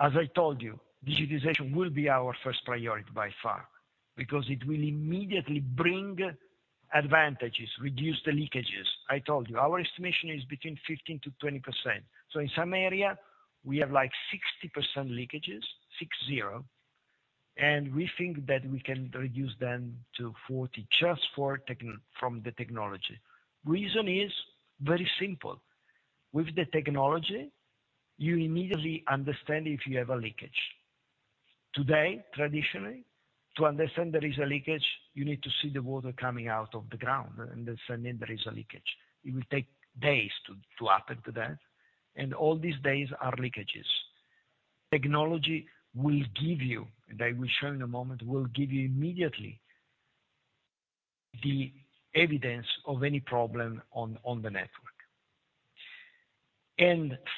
As I told you, digitization will be our first priority by far because it will immediately bring advantages, reduce the leakages. I told you, our estimation is between 15%-20%. In some area, we have, like, 60% leakages, six zero, and we think that we can reduce them to 40 from the technology. Reason is very simple. With the technology, you immediately understand if you have a leakage. Today, traditionally, to understand there is a leakage, you need to see the water coming out of the ground and understand there is a leakage. It will take days to happen to that. All these days are leakages. Technology will give you, I will show you in a moment, will give you immediately the evidence of any problem on the network.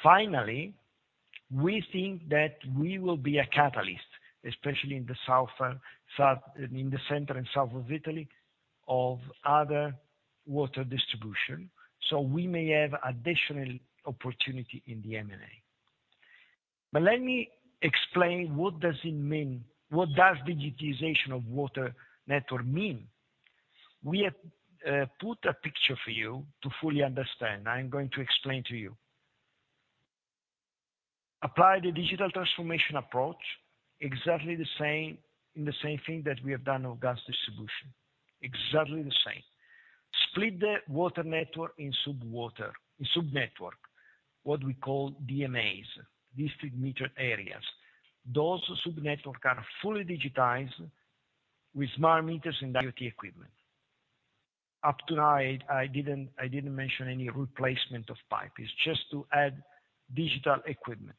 Finally, we think that we will be a catalyst, especially in the south. In the center and south of Italy, of other water distribution, we may have additional opportunity in the M&A. Let me explain what does it mean, what does digitization of water network mean? We have put a picture for you to fully understand. I'm going to explain to you. Apply the digital transformation approach, exactly the same, in the same thing that we have done on gas distribution, exactly the same. Split the water network in sub-network, what we call DMAs, district metered areas. Those sub-networks are fully digitized with smart meters and IoT equipment. Up to now, I didn't mention any replacement of pipe. It's just to add digital equipment.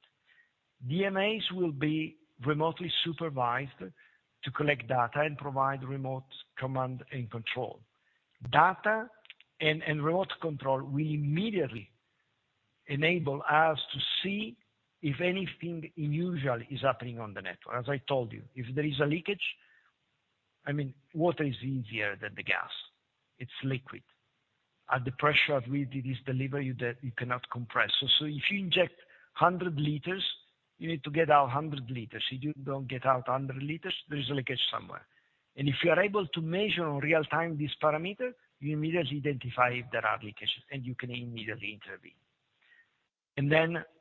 DMAs will be remotely supervised to collect data and provide remote command and control. Data and remote control will immediately enable us to see if anything unusual is happening on the network. As I told you, if there is a leakage, I mean, water is easier than the gas. It's liquid. At the pressure at which it is delivered, you cannot compress. So if you inject 100 liters, you need to get out 100 liters. If you don't get out 100 liters, there is a leakage somewhere. If you are able to measure in real time this parameter, you immediately identify if there are leakages, and you can immediately intervene.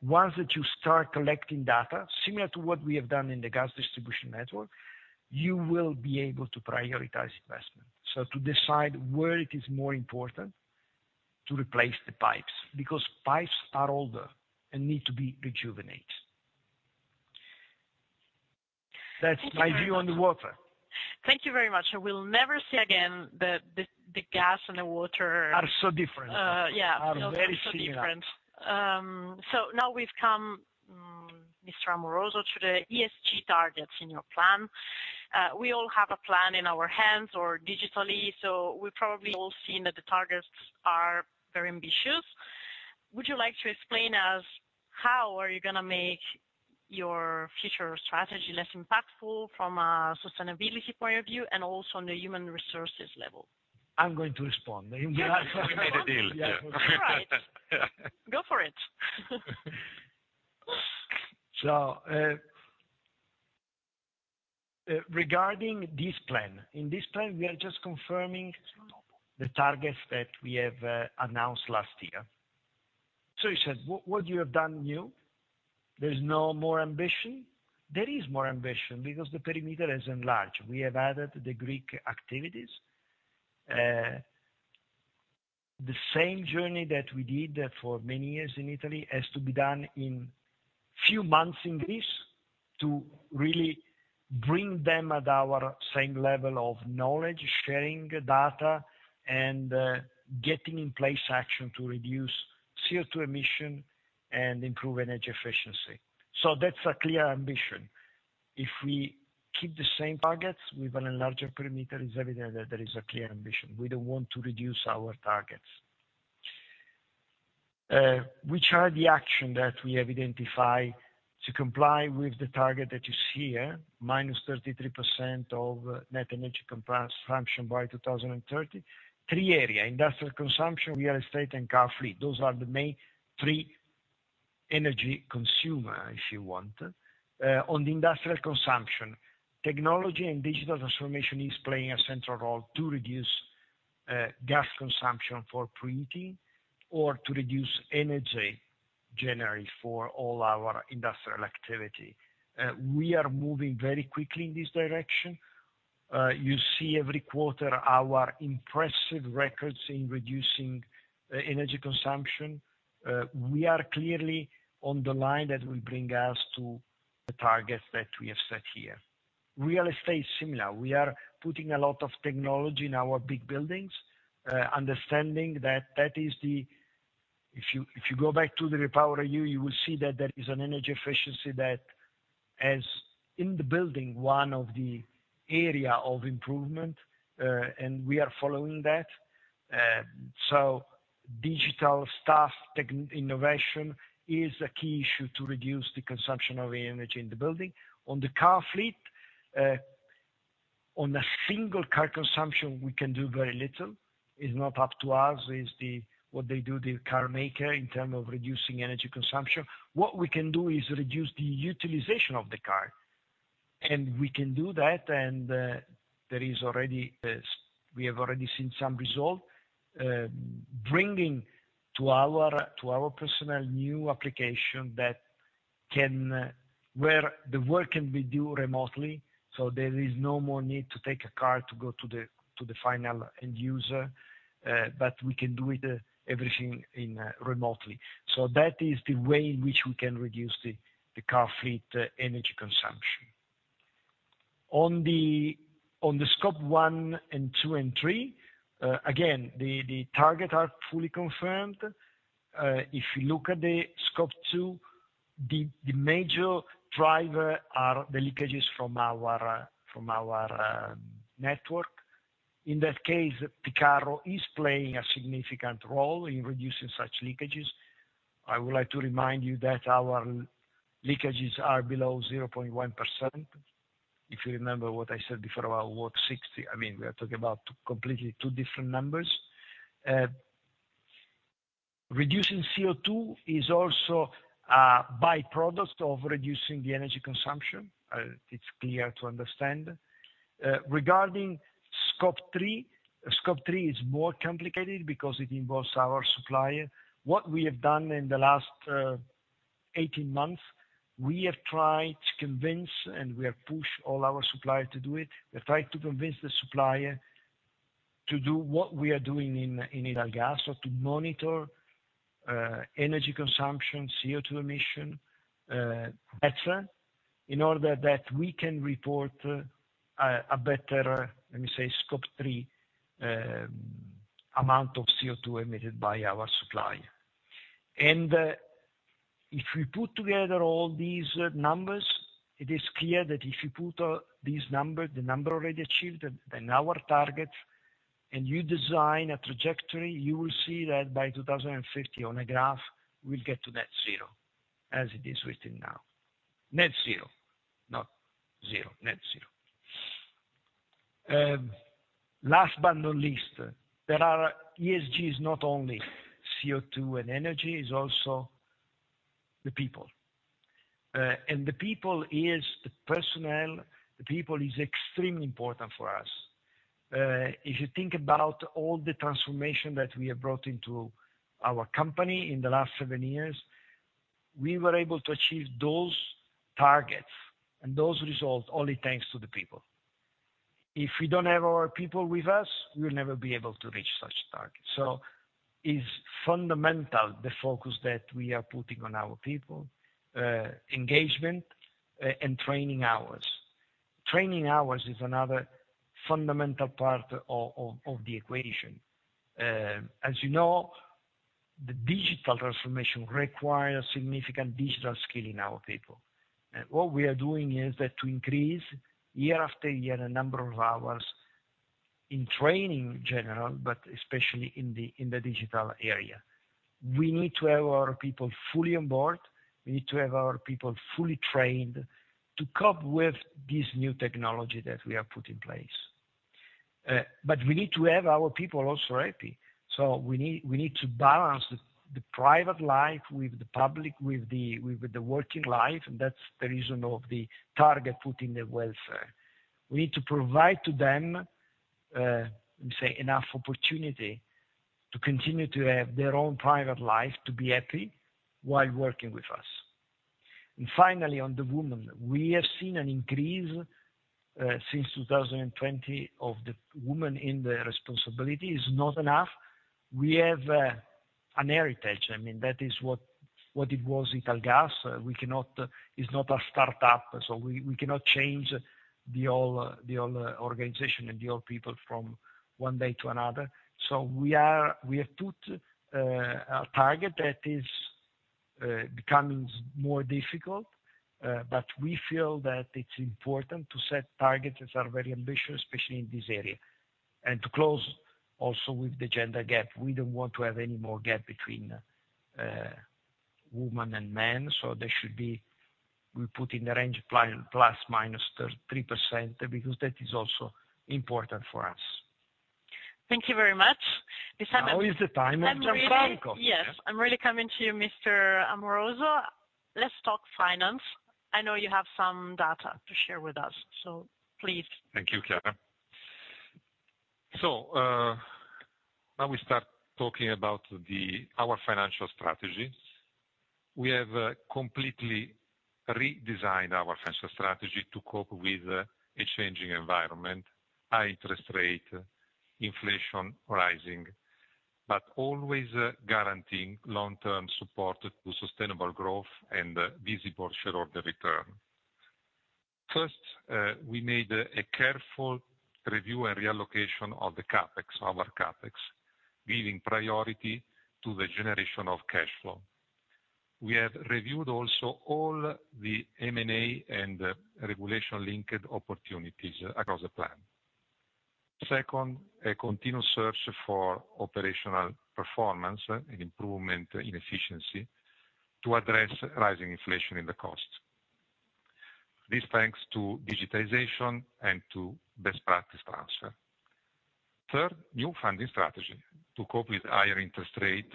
Once that you start collecting data, similar to what we have done in the gas distribution network, you will be able to prioritize investment, so to decide where it is more important to replace the pipes, because pipes are older and need to be rejuvenate. That's my view on the water. Thank you very much. We'll never say again that the gas. Are so different. Yeah. Are very similar. Different. Now we've come, Mr. Amoroso, to the ESG targets in your plan. We all have a plan in our hands or digitally. We probably all seen that the targets are very ambitious. Would you like to explain us how are you gonna make your future strategy less impactful from a sustainability point of view, and also on the human resources level? I'm going to respond. We made a deal. Yeah. All right. Go for it. Regarding this plan, in this plan, we are just confirming the targets that we have announced last year. You said, what you have done new? There is no more ambition? There is more ambition because the perimeter is enlarged. We have added the Greek activities. The same journey that we did for many years in Italy, has to be done in few months in Greece, to really bring them at our same level of knowledge, sharing data, and getting in place action to reduce CO2 emission and improve energy efficiency. That's a clear ambition. If we keep the same targets with an enlarged perimeter, it's evident that there is a clear ambition. We don't want to reduce our targets. Which are the action that we have identified to comply with the target that is here, -33% of net energy consumption by 2030? Three area, industrial consumption, real estate, and car fleet. Those are the main three energy consumer, if you want. On the industrial consumption, technology and digital transformation is playing a central role to reduce gas consumption for preheating or to reduce energy generally for all our industrial activity. We are moving very quickly in this direction. You see every quarter our impressive records in reducing energy consumption. We are clearly on the line that will bring us to the targets that we have set here. Real estate, similar. We are putting a lot of technology in our big buildings, understanding that that is the... If you go back to the REPowerEU, you will see that there is an energy efficiency that has, in the building, one of the area of improvement, and we are following that. Digital staff innovation is a key issue to reduce the consumption of energy in the building. On the car fleet, on a single car consumption, we can do very little. It's not up to us, it's what they do, the car maker, in term of reducing energy consumption. What we can do is reduce the utilization of the car. We can do that. There is already, we have already seen some result bringing to our personal new application that can where the work can be due remotely, there is no more need to take a car to go to the final end user, but we can do it everything in remotely. That is the way in which we can reduce the car fleet energy consumption. On the Scope 1 and 2 and 3, again, the target are fully confirmed. If you look at the Scope 2, the major driver are the leakages from our network. In that case, Picarro is playing a significant role in reducing such leakages. I would like to remind you that our leakages are below 0.1%, if you remember what I said before about what, 60, I mean, we are talking about completely two different numbers. Reducing CO2 is also a by-product of reducing the energy consumption. It's clear to understand. Regarding Scope 3, Scope 3 is more complicated because it involves our supplier. What we have done in the last 18 months, we have tried to convince, and we have pushed all our supplier to do it. We have tried to convince the supplier to do what we are doing in Italgas, or to monitor energy consumption, CO2 emission, etc., in order that we can report a better, let me say, Scope 3 amount of CO2 emitted by our supplier. If we put together all these numbers, it is clear that if you put these numbers, the number already achieved, and our targets, and you design a trajectory, you will see that by 2050 on a graph, we'll get to Net Zero, as it is written now. Net Zero, not Zero. Net Zero. Last but not least, ESG is not only CO2 and energy, is also the people. The people is the personnel, the people is extremely important for us. If you think about all the transformation that we have brought into our company in the last seven years, we were able to achieve those targets and those results only thanks to the people. If we don't have our people with us, we'll never be able to reach such targets. It's fundamental, the focus that we are putting on our people, engagement, and training hours. Training hours is another fundamental part of the equation. As you know, the digital transformation requires significant digital skill in our people, and what we are doing is that to increase year after year, the number of hours in training in general, but especially in the digital area. We need to have our people fully on board. We need to have our people fully trained to cope with this new technology that we have put in place. We need to have our people also happy, so we need to balance the private life with the public, with the working life, and that's the reason of the target put in the welfare. We need to provide to them enough opportunity to continue to have their own private life, to be happy while working with us. Finally, on the women, we have seen an increase since 2020 of the women in the responsibility. It's not enough. We have an heritage. I mean, that is what it was Italgas. It's not a startup, we cannot change the old organization and the old people from one day to another. We have put a target that is becoming more difficult, we feel that it's important to set targets that are very ambitious, especially in this area. To close also with the gender gap, we don't want to have any more gap between women and men, there should be... We put in the range ±3%, because that is also important for us. Thank you very much. This time. Now is the time of Gianfranco. I'm really coming to you, Mr. Amoroso. Let's talk finance. I know you have some data to share with us. Please. Thank you, Chiara. Now we start talking about our financial strategy. We have completely redesigned our financial strategy to cope with a changing environment, high interest rate, inflation rising, but always guaranteeing long-term support to sustainable growth and visible shareholder return. First, we made a careful review and reallocation of the CapEx, our CapEx, giving priority to the generation of cash flow. We have reviewed also all the M&A and regulation-linked opportunities across the plan. Second, a continuous search for operational performance and improvement in efficiency to address rising inflation in the cost. This, thanks to digitization and to best practice transfer. Third, new funding strategy to cope with higher interest rate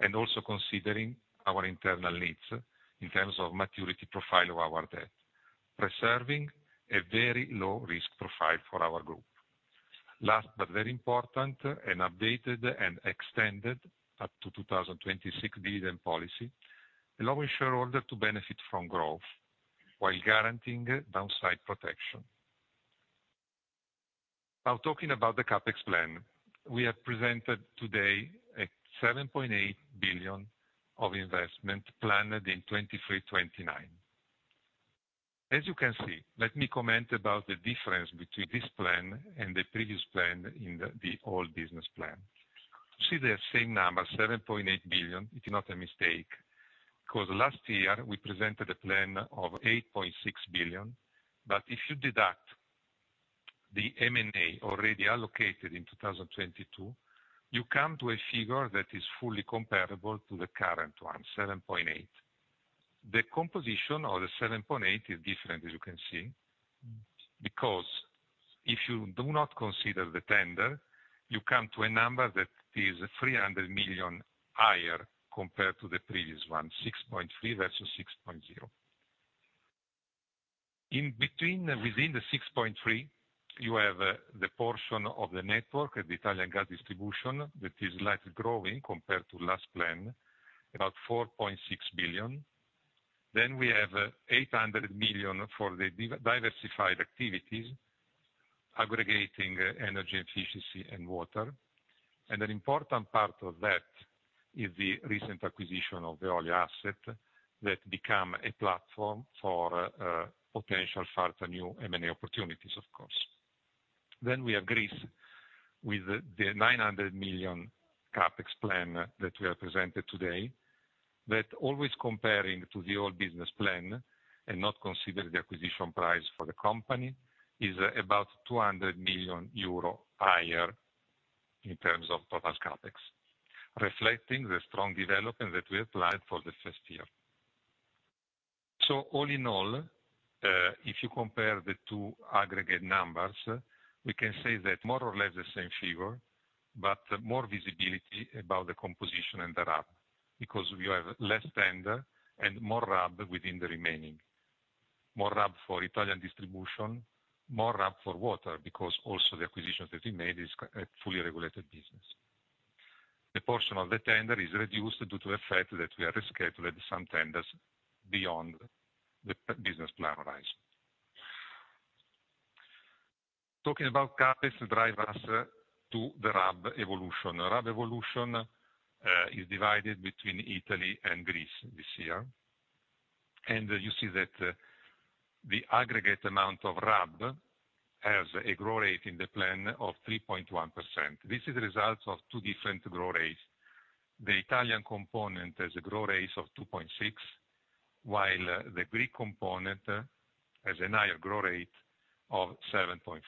and also considering our internal needs in terms of maturity profile of our debt, preserving a very low risk profile for our group. Last, very important, an updated and extended up to 2026 dividend policy, allowing shareholder to benefit from growth while guaranteeing downside protection. Talking about the CapEx plan, we have presented today a 7.8 billion of investment planned in 2023 to 2029. As you can see, let me comment about the difference between this plan and the previous plan in the old business plan. You see the same number, 7.8 billion. It's not a mistake, 'cause last year we presented a plan of 8.6 billion, if you deduct the M&A already allocated in 2022, you come to a figure that is fully comparable to the current one, 7.8 billion. The composition of the 7.8 is different, as you can see, if you do not consider the tender, you come to a number that is 300 million higher compared to the previous one, 6.3 versus 6.0. In between, within the 6.3, you have the portion of the network, the Italian gas distribution, that is slightly growing compared to last plan, about 4.6 billion. We have 800 million for the diversified activities, aggregating energy efficiency and water, and an important part of that is the recent acquisition of the water asset that become a platform for potential further new M&A opportunities, of course. We have Greece, with the 900 million CapEx plan that we have presented today, that always comparing to the old business plan, and not considering the acquisition price for the company, is about 200 million euro higher in terms of total CapEx, reflecting the strong development that we applied for the first year. All in all, if you compare the two aggregate numbers, we can say that more or less the same figure, but more visibility about the composition and the RAB, because you have less tender and more RAB within the remaining. More RAB for Italian distribution, more RAB for water, because also the acquisitions that we made is a fully regulated business. The portion of the tender is reduced due to the fact that we have rescheduled some tenders beyond the business plan horizon. Talking about CapEx drive us to the RAB evolution. RAB evolution is divided between Italy and Greece this year. You see that the aggregate amount of RAB has a growth rate in the plan of 3.1%. This is a result of two different growth rates. The Italian component has a growth rate of 2.6%, while the Greek component has a higher growth rate of 7.3%.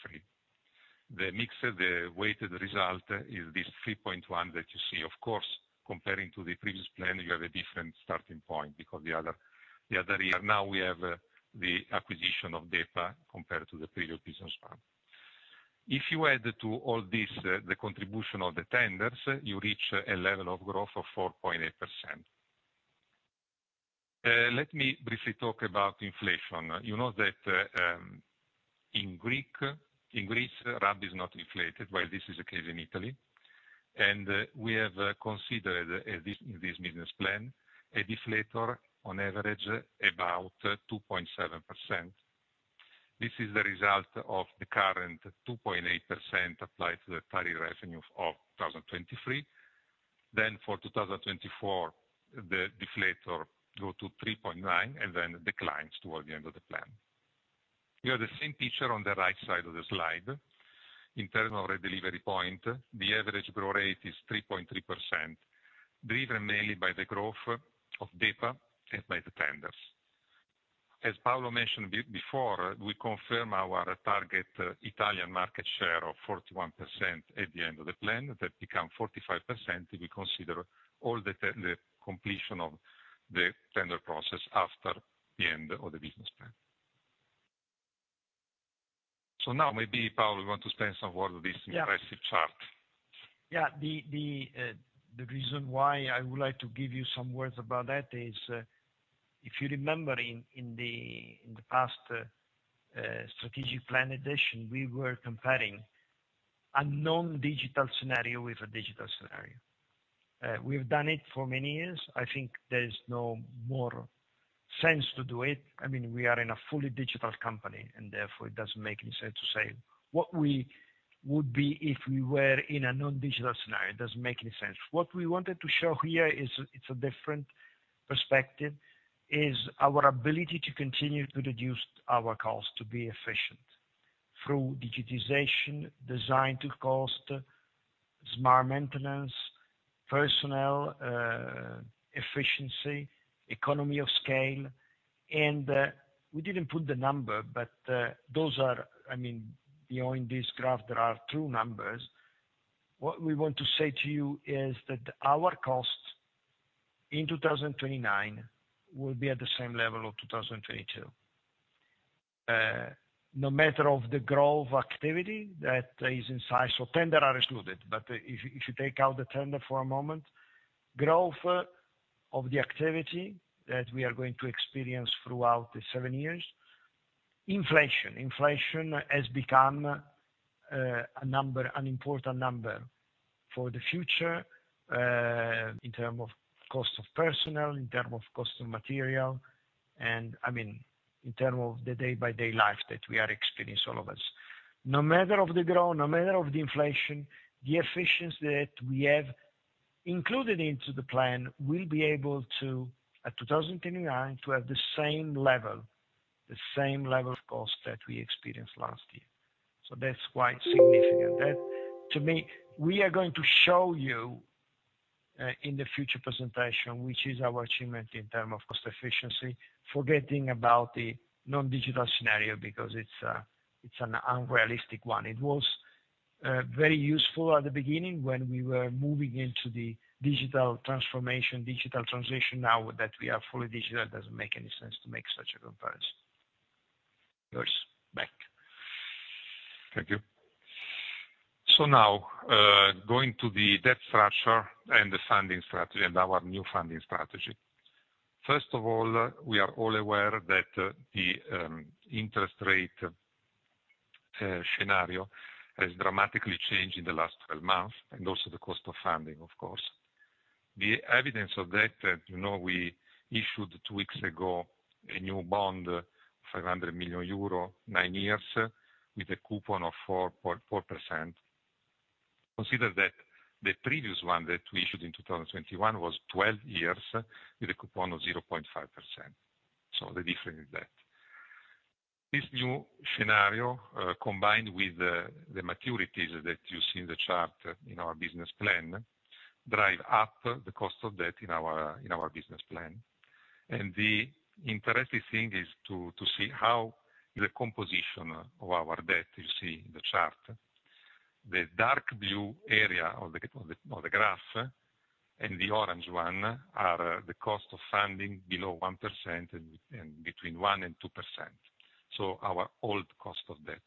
The mix of the weighted result is this 3.1% that you see. Of course, comparing to the previous plan, you have a different starting point because the other year. Now we have the acquisition of DEPA compared to the previous business plan. You add to all this, the contribution of the tenders, you reach a level of growth of 4.8%. Let me briefly talk about inflation. You know, that in Greek, in Greece, RAB is not inflated, while this is the case in Italy. We have considered this business plan, a deflator on average about 2.7%. This is the result of the current 2.8% applied to the tariff revenue of 2023. For 2024, the deflator go to 3.9%, and then declines toward the end of the plan. You have the same picture on the right side of the slide. In terms of delivery point, the average growth rate is 3.3%, driven mainly by the growth of DEPA and by the tenders. As Paolo mentioned before, we confirm our target Italian market share of 41% at the end of the plan, that become 45% if we consider all the tenders, the completion of the tender process after the end of the business plan. Now maybe, Paolo, you want to say some word of this impressive chart? Yeah, the reason why I would like to give you some words about that is, if you remember in the, in the past strategic plan edition, we were comparing a non-digital scenario with a digital scenario. We've done it for many years. I think there's no more sense to do it. I mean, we are in a fully digital company, and therefore it doesn't make any sense to say what we would be if we were in a non-digital scenario. It doesn't make any sense. What we wanted to show here is, it's a different perspective, is our ability to continue to reduce our cost to be efficient through digitization, Design to Cost, smart maintenance, personnel efficiency, economy of scale. We didn't put the number, but those are. I mean, beyond this graph, there are two numbers. What we want to say to you is that our cost in 2029 will be at the same level of 2022. No matter of the growth activity that is inside. Tender are excluded, if you take out the tender for a moment, growth of the activity that we are going to experience throughout the seven years, inflation. Inflation has become a number, an important number for the future, in terms of cost of personnel, in terms of cost of material, and, I mean, in terms of the day-by-day life that we are experienced, all of us. No matter of the growth, no matter of the inflation, the efficiency that we have included into the plan will be able to, at 2029, to have the same level of cost that we experienced last year. That's quite significant. That, to me, we are going to show you in the future presentation, which is our achievement in term of cost efficiency, forgetting about the non-digital scenario because it's a, it's an unrealistic one. It was very useful at the beginning when we were moving into the digital transformation, digital transition. Now that we are fully digital, it doesn't make any sense to make such a comparison. Yours, back. Thank you. Now, going to the debt structure and the funding strategy, and our new funding strategy. First of all, we are all aware that the interest rate scenario has dramatically changed in the last 12 months, and also the cost of funding, of course. The evidence of that, you know, we issued two weeks ago a new bond, 500 million euro, nine years, with a coupon of 4.4%. Consider that the previous one that we issued in 2021 was 12 years with a coupon of 0.5%, the difference is that. This new scenario, combined with the maturities that you see in the chart in our business plan, drive up the cost of debt in our business plan. The interesting thing is to see how the composition of our debt, you see in the chart. The dark blue area of the graph and the orange one are the cost of funding below 1% and between 1% and 2%, so our old cost of debt.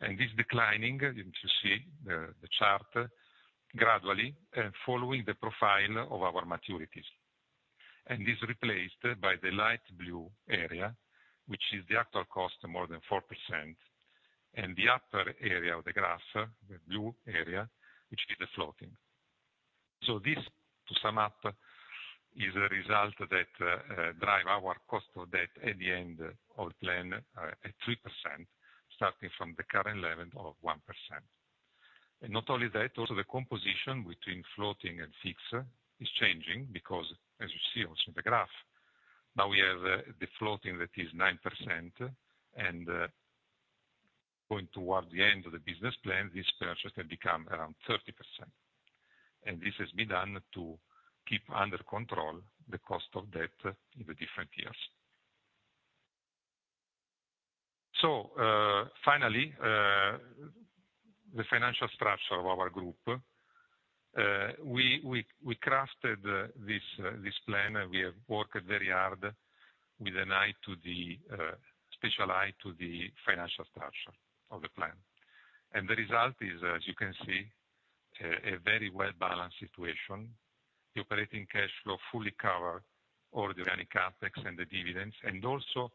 This declining, as you see the chart, gradually following the profile of our maturities. Is replaced by the light blue area, which is the actual cost, more than 4%, and the upper area of the graph, the blue area, which is the floating. This, to sum up, is a result that drive our cost of debt at the end of plan at 3%, starting from the current level of 1%. Not only that, also, the composition between floating and fixed is changing because, as you see also in the graph, now we have the floating that is 9%, and going towards the end of the business plan, this purchase can become around 30%, and this has been done to keep under control the cost of debt in the different years. Finally, the financial structure of our group. We crafted this plan, and we have worked very hard with an eye to the special eye to the financial structure of the plan. The result is, as you can see, a very well-balanced situation. The operating cash flow fully cover all the organic CapEx and the dividends, and also,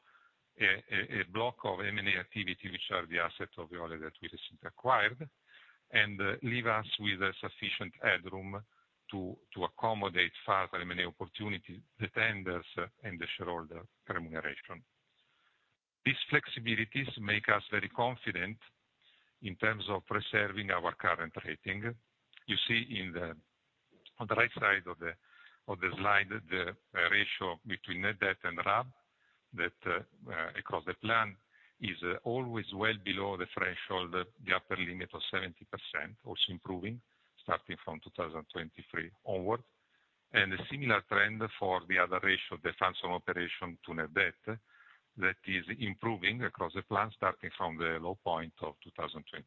a block of M&A activity, which are the assets of Veolia that we recently acquired, and leave us with a sufficient headroom to accommodate further M&A opportunity, the tenders, and the shareholder remuneration. These flexibilities make us very confident in terms of preserving our current rating. You see on the right side of the slide, the ratio between net debt and RAB, that across the plan is always well below the threshold, the upper limit of 70%, also improving starting from 2023 onward. A similar trend for the other ratio, the funds from operation to net debt, that is improving across the plan, starting from the low point of 2022.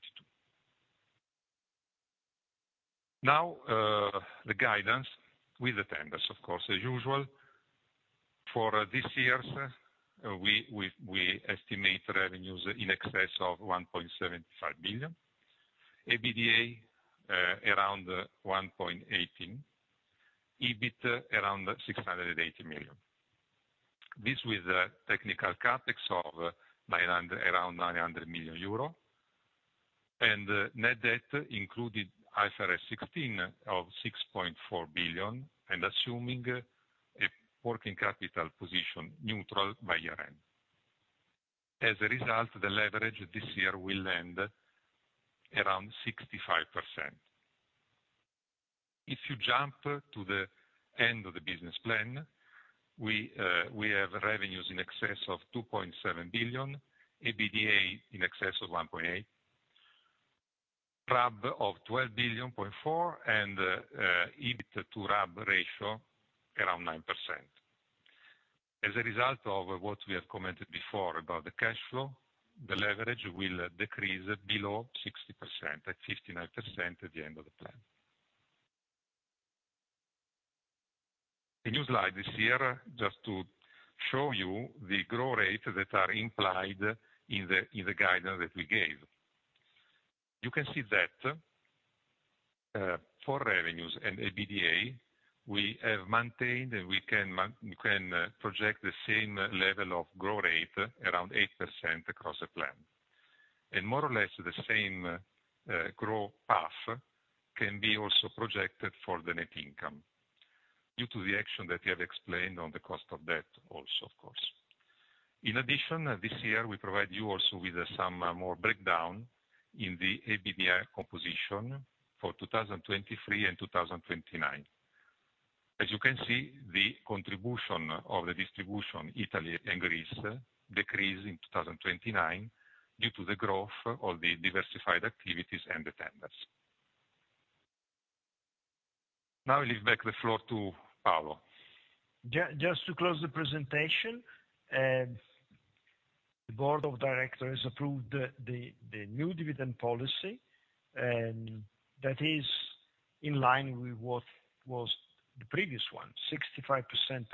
Now, the guidance with the tenders, of course, as usual. For this year, we estimate revenues in excess of 1.75 billion, EBITDA around 1.18 billion, EBIT around 680 million. This with a technical CapEx of around 900 million euro, and net debt included IFRS 16 of 6.4 billion, and assuming a working capital position neutral by year-end. As a result, the leverage this year will end around 65%. If you jump to the end of the business plan, we have revenues in excess of 2.7 billion, EBITDA in excess of 1.8 billion, RAB of 12.4 billion, and EBIT to RAB ratio around 9%. As a result of what we have commented before about the cash flow, the leverage will decrease below 60%, at 59% at the end of the plan. A new slide this year, just to show you the growth rate that are implied in the guidance that we gave. You can see that for revenues and EBITDA, we have maintained, and we can project the same level of growth rate, around 8%, across the plan. More or less the same growth path can be also projected for the net income due to the action that we have explained on the cost of debt also, of course. In addition, this year, we provide you also with some more breakdown in the EBITDA composition for 2023 and 2029. As you can see, the contribution of the distribution, Italy and Greece, decrease in 2029 due to the growth of the diversified activities and the tenders. I leave back the floor to Paolo. Just to close the presentation, the board of directors approved the new dividend policy. That is in line with what was the previous one, 65%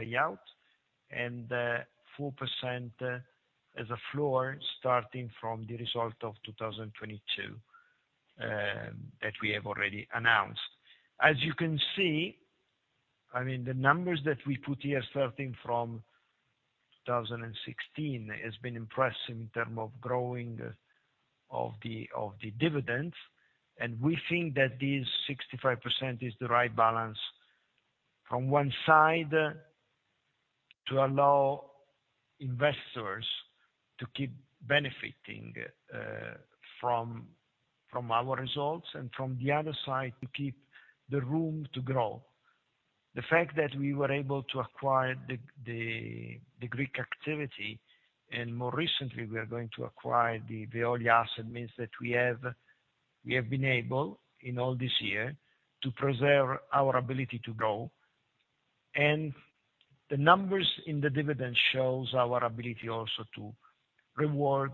payout and 4% as a floor, starting from the result of 2022 that we have already announced. As you can see, I mean, the numbers that we put here, starting from 2016, has been impressive in term of growing of the dividends. We think that this 65% is the right balance, from one side, to allow investors to keep benefiting from our results, and from the other side, to keep the room to grow. The fact that we were able to acquire the Greek activity, more recently, we are going to acquire the Veolia asset, means that we have been able, in all this year, to preserve our ability to grow. The numbers in the dividend shows our ability also to reward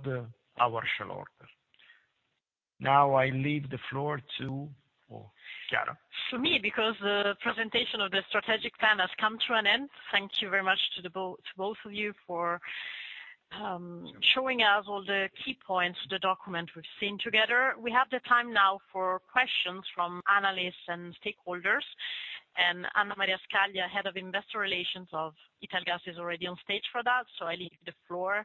our shareholders. Now I leave the floor to Chiara. To me, because the presentation of the strategic plan has come to an end. Thank you very much to both of you for showing us all the key points, the document we've seen together. We have the time now for questions from analysts and stakeholders. Anna Maria Scaglia, Head of Investor Relations of Italgas, is already on stage for that. I leave the floor,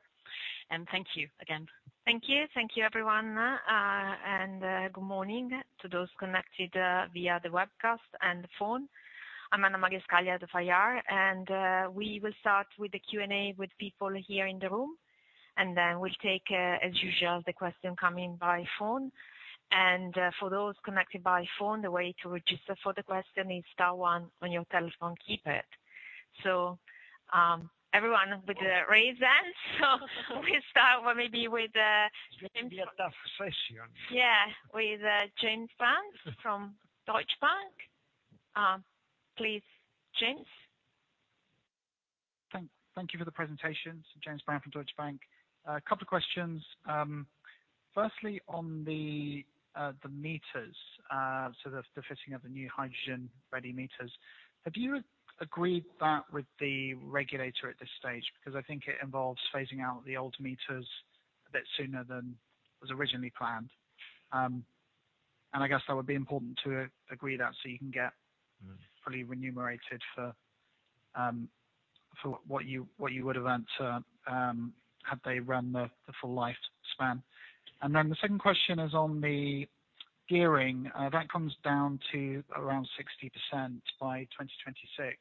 and thank you again. Thank you. Thank you, everyone, and good morning to those connected via the webcast and phone. I'm Anna Maria Scaglia of IR, we will start with the Q&A with people here in the room, and then we'll take, as usual, the question coming by phone. For those connected by phone, the way to register for the question is star one on your telephone keypad. Everyone with the raised hands, we start maybe with- It's going to be a tough session. With James Brand from Deutsche Bank. Please, James? Thank you for the presentations. James Brand from Deutsche Bank. A couple of questions. Firstly, on the meters, so the fitting of the new hydrogen-ready meters, have you agreed that with the regulator at this stage? I think it involves phasing out the old meters a bit sooner than was originally planned. I guess that would be important to agree that, so you can get fully remunerated for what you would have earned had they run the full life span. The second question is on the gearing. That comes down to around 60% by 2026,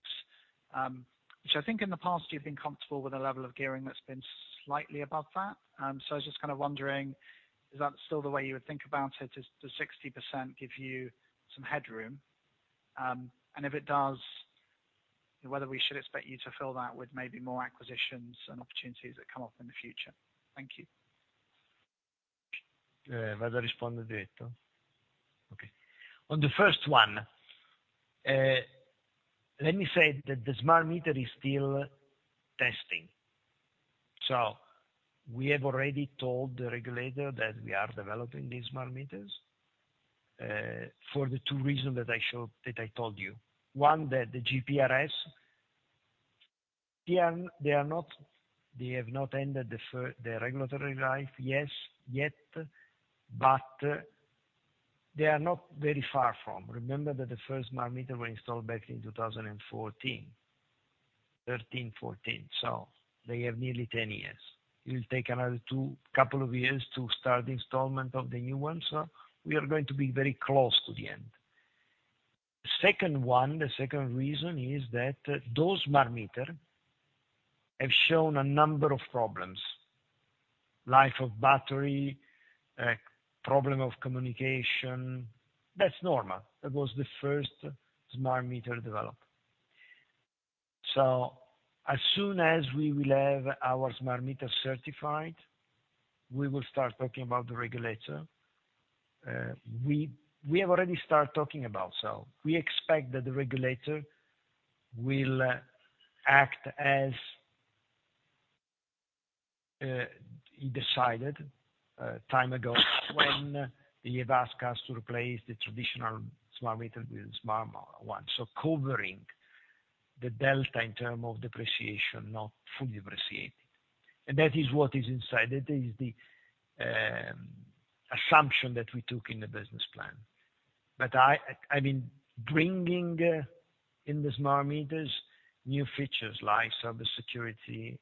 which I think in the past you've been comfortable with a level of gearing that's been slightly above that. I was just kind of wondering, is that still the way you would think about it? Does 60% give you some headroom? If it does, whether we should expect you to fill that with maybe more acquisitions and opportunities that come up in the future? Thank you. Okay. On the first one, let me say that the smart meter is still testing. We have already told the regulator that we are developing the smart meters for the two reasons that I showed, that I told you. One, that the GPRS, they have not ended the regulatory life yet, but they are not very far from. Remember that the first smart meter were installed back in 2014, 2013, 2014, so they have nearly 10 years. It will take another two, couple of years to start the installment of the new ones. We are going to be very close to the end. Second one, the second reason is that those smart meter have shown a number of problems: life of battery, problem of communication. That's normal. That was the first smart meter developed. As soon as we will have our smart meter certified, we will start talking about the regulator. We have already started talking about. We expect that the regulator will act as he decided time ago, when he asked us to replace the traditional smart meter with the smart one. Covering the delta in term of depreciation, not fully depreciated. That is what is inside. That is the assumption that we took in the business plan. I mean, bringing in the smart meters, new features like service security,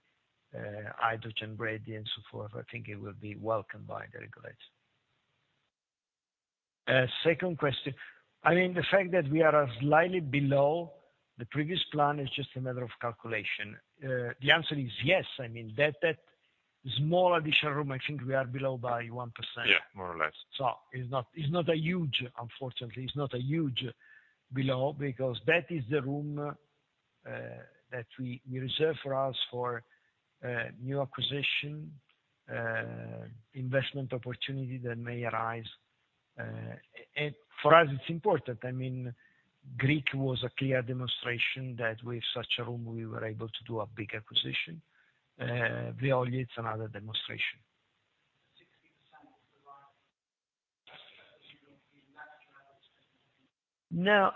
hydrogen ready and so forth, I think it will be welcomed by the regulator. Second question. I mean, the fact that we are slightly below the previous plan is just a matter of calculation. The answer is yes. I mean, that small additional room, I think we are below by 1%. Yeah, more or less. It's not a huge, unfortunately, it's not a huge below, because that is the room that we reserve for us, for new acquisition, investment opportunity that may arise. For us, it's important. I mean, Greek was a clear demonstration that with such a room, we were able to do a big acquisition. Veolia is another demonstration. 60% of the... No,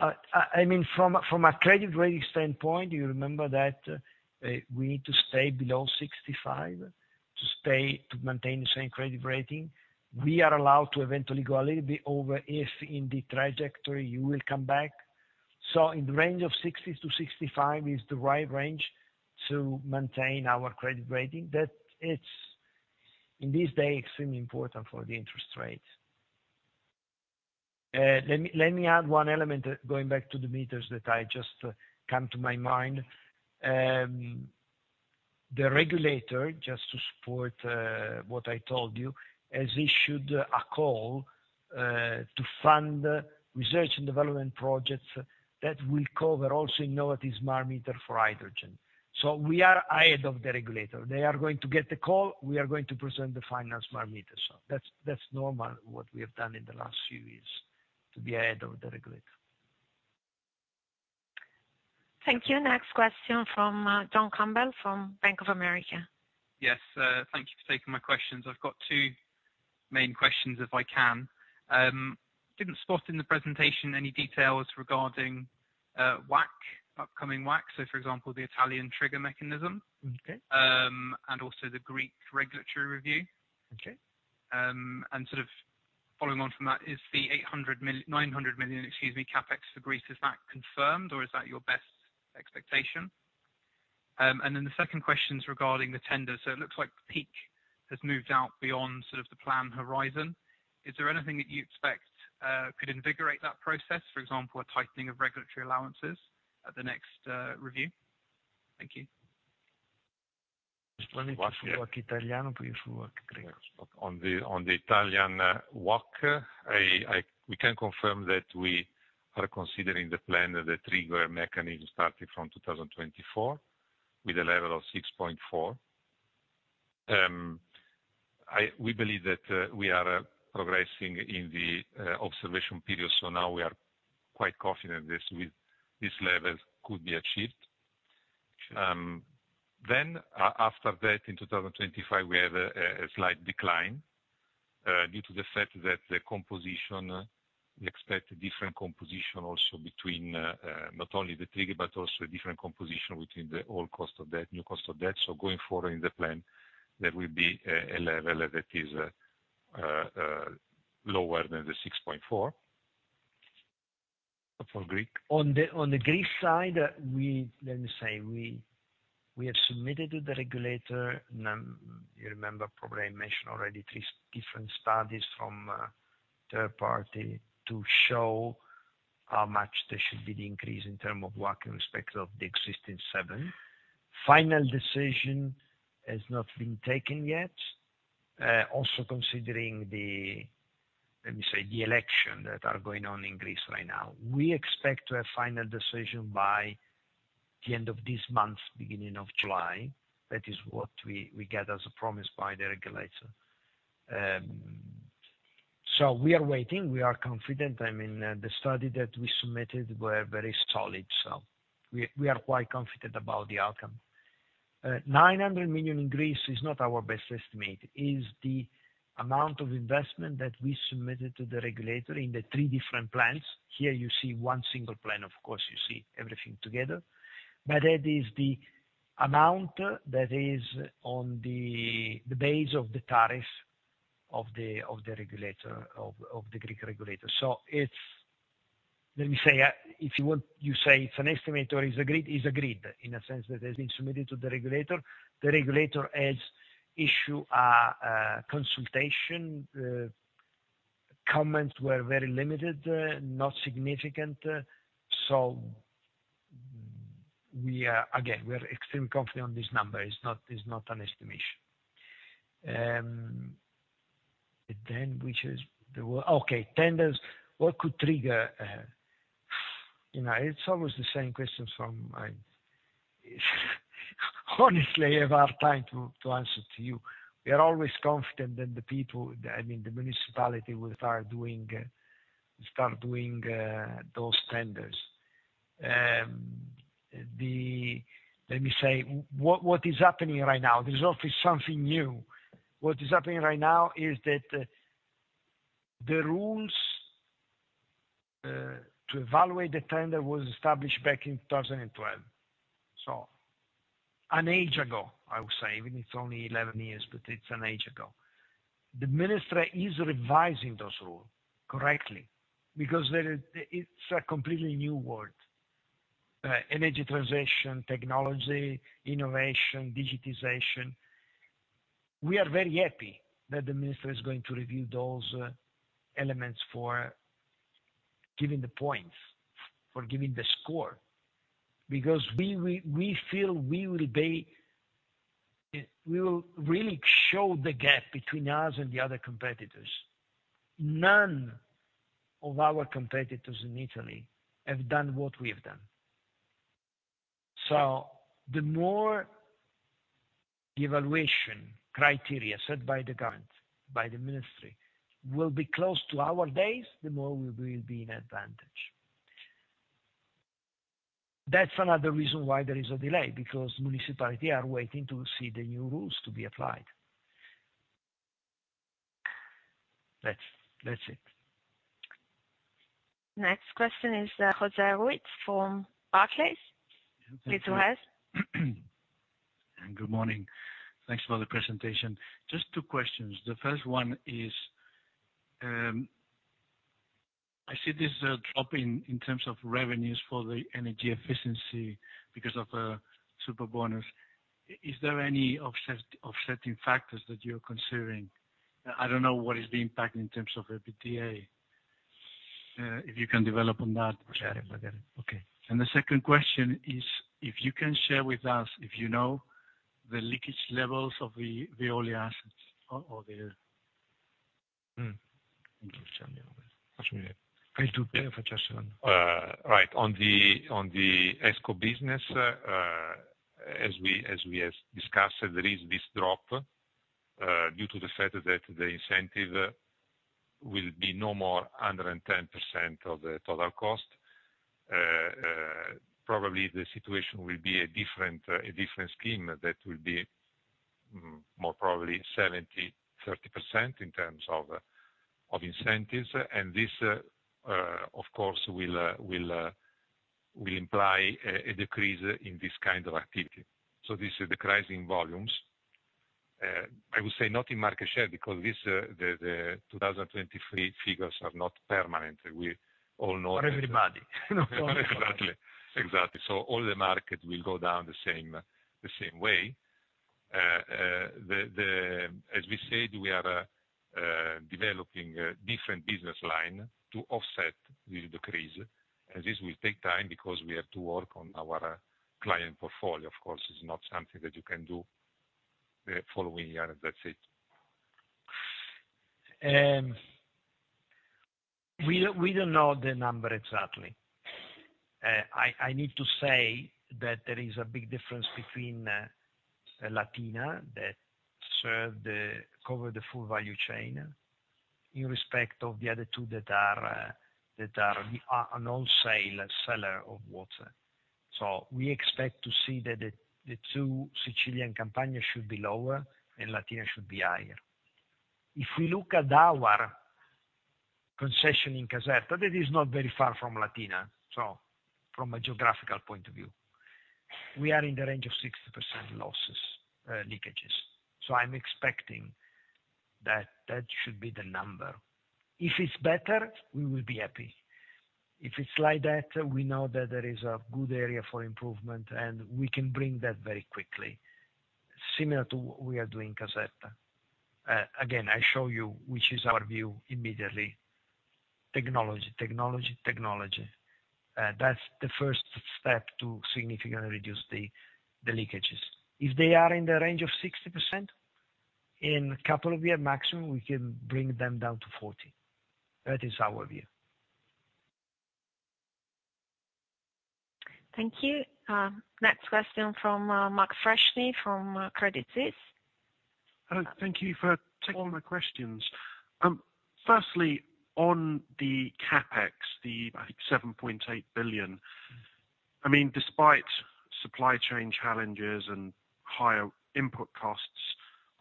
I mean, from a credit rating standpoint, you remember that we need to stay below 65 to maintain the same credit rating. We are allowed to eventually go a little bit over, if in the trajectory you will come back. In the range of 60-65 is the right range to maintain our credit rating. That it's, in this day, extremely important for the interest rates. Let me add one element, going back to the meters, that I just come to my mind. The regulator, just to support what I told you, has issued a call to fund research and development projects that will cover also innovative smart meter for hydrogen. We are ahead of the regulator. They are going to get the call, we are going to present the final smart meter. That's normal, what we have done in the last few years, to be ahead of the regulator. Thank you. Next question from John Campbell, from Bank of America. Yes, thank you for taking my questions. I've got two main questions, if I can. didn't spot in the presentation any details regarding WACC, upcoming WACC. for example, the Italian trigger mechanism. Okay. Also the Greek regulatory review. Okay. Sort of following on from that, is the 800 million-900 million, excuse me, CapEx for Greece, is that confirmed, or is that your best expectation? The second question is regarding the tender. It looks like the peak has moved out beyond sort of the plan horizon. Is there anything that you expect could invigorate that process, for example, a tightening of regulatory allowances at the next review? Thank you. On Italian WACC. On the Italian WACC, we can confirm that we are considering the plan and the trigger mechanism starting from 2024, with a level of 6.4%. We believe that we are progressing in the observation period, so now we are quite confident this, with these levels could be achieved. Then, after that, in 2025, we have a slight decline due to the fact that the composition, we expect a different composition also between not only the TIC but also a different composition between the old cost of debt, new cost of debt. Going forward in the plan, there will be a level that is lower than the 6.4%. For Greek? On the Greece side, we have submitted to the regulator, you remember, probably I mentioned already three different studies from a third party to show how much there should be the increase in term of WACC in respect of the existing seven. Final decision has not been taken yet. Also considering the election that are going on in Greece right now. We expect to have final decision by the end of this month, beginning of July. That is what we get as a promise by the regulator. We are waiting. We are confident. I mean, the study that we submitted were very solid, so we are quite confident about the outcome. 900 million in Greece is not our best estimate, is the amount of investment that we submitted to the regulator in the three different plans. Here you see one single plan, of course, you see everything together, but that is the amount that is on the base of the tariffs of the regulator, of the Greek regulator. Let me say, if you want, you say it's an estimate or is agreed, is agreed, in a sense that it has been submitted to the regulator. The regulator has issue a consultation. Comments were very limited, not significant, so we are, again, we are extremely confident on this number. It's not an estimation. Which is the Okay, tenders, what could trigger? You know, it's always the same question, so I'm, honestly, I have a hard time to answer to you. We are always confident that the people, I mean, the municipality will start doing those tenders. Let me say, what is happening right now, there's always something new. What is happening right now is that the rules to evaluate the tender was established back in 2012, so an age ago, I would say, even it's only 11 years, but it's an age ago. The minister is revising those rules, correctly, because it's a completely new world, energy transition, technology, innovation, digitization. We are very happy that the minister is going to review those elements for giving the points, for giving the score, because we feel we will be, we will really show the gap between us and the other competitors. None of our competitors in Italy have done what we have done. The more evaluation criteria set by the government, by the ministry, will be close to our days, the more we will be in advantage. That's another reason why there is a delay, because municipality are waiting to see the new rules to be applied. That's it. Next question is, Jose Ruiz from Barclays. Please go ahead. Good morning. Thanks for the presentation. Just two questions. The first one is, I see this drop in terms of revenues for the energy efficiency because of a Superbonus. Is there any offsetting factors that you're considering? I don't know what is the impact in terms of EBITDA, if you can develop on that. Got it. I got it. Okay. The second question is, if you can share with us, if you know, the leakage levels of the Veolia assets or the... Hmm. Right. On the ESCo business, as we have discussed, there is this drop due to the fact that the incentive will be no more 110% of the total cost. Probably, the situation will be a different scheme that will be more probably 70%, 30% in terms of incentives, and this, of course, will imply a decrease in this kind of activity. This is the decrease in volumes. I would say not in market share, because the 2023 figures are not permanent. We all know. For everybody. Exactly. Exactly. All the market will go down the same way. As we said, we are developing a different business line to offset the decrease, and this will take time because we have to work on our client portfolio. Of course, it's not something that you can do following year, and that's it. We don't know the number exactly. I need to say that there is a big difference between Latina, that cover the full value chain, in respect of the other two that are an wholesale seller of water. We expect to see that the two Siciliacque campaigns should be lower, and Latina should be higher. If we look at our concession in Caserta, that is not very far from Latina, so from a geographical point of view, we are in the range of 60% losses, leakages. I'm expecting that that should be the number. If it's better, we will be happy. If it's like that, we know that there is a good area for improvement, and we can bring that very quickly, similar to what we are doing in Caserta. Again, I show you, which is our view immediately, technology, technology. That's the first step to significantly reduce the leakages. If they are in the range of 60%, in a couple of years maximum, we can bring them down to 40%. That is our view. Thank you. Next question from Mark Freshney, from Credit Suisse. Hello, thank you for taking my questions. Firstly, on the CapEx, I think, 7.8 billion. I mean, despite supply chain challenges and higher input costs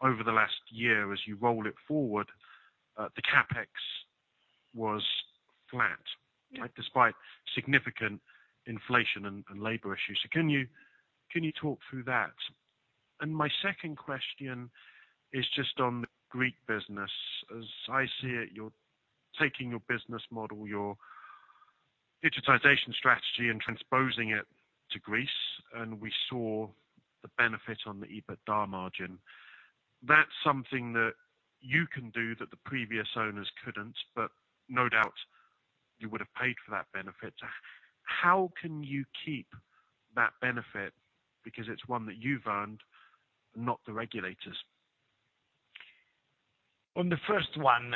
over the last year, as you roll it forward, the CapEx was flat, despite significant inflation and labor issues. Can you talk through that? My second question is just on the Greek business. As I see it, you're taking your business model, your digitization strategy and transposing it to Greece, and we saw the benefit on the EBITDA margin. That's something that you can do that the previous owners couldn't, but no doubt you would have paid for that benefit. How can you keep that benefit? Because it's one that you've earned, not the regulators. On the first one,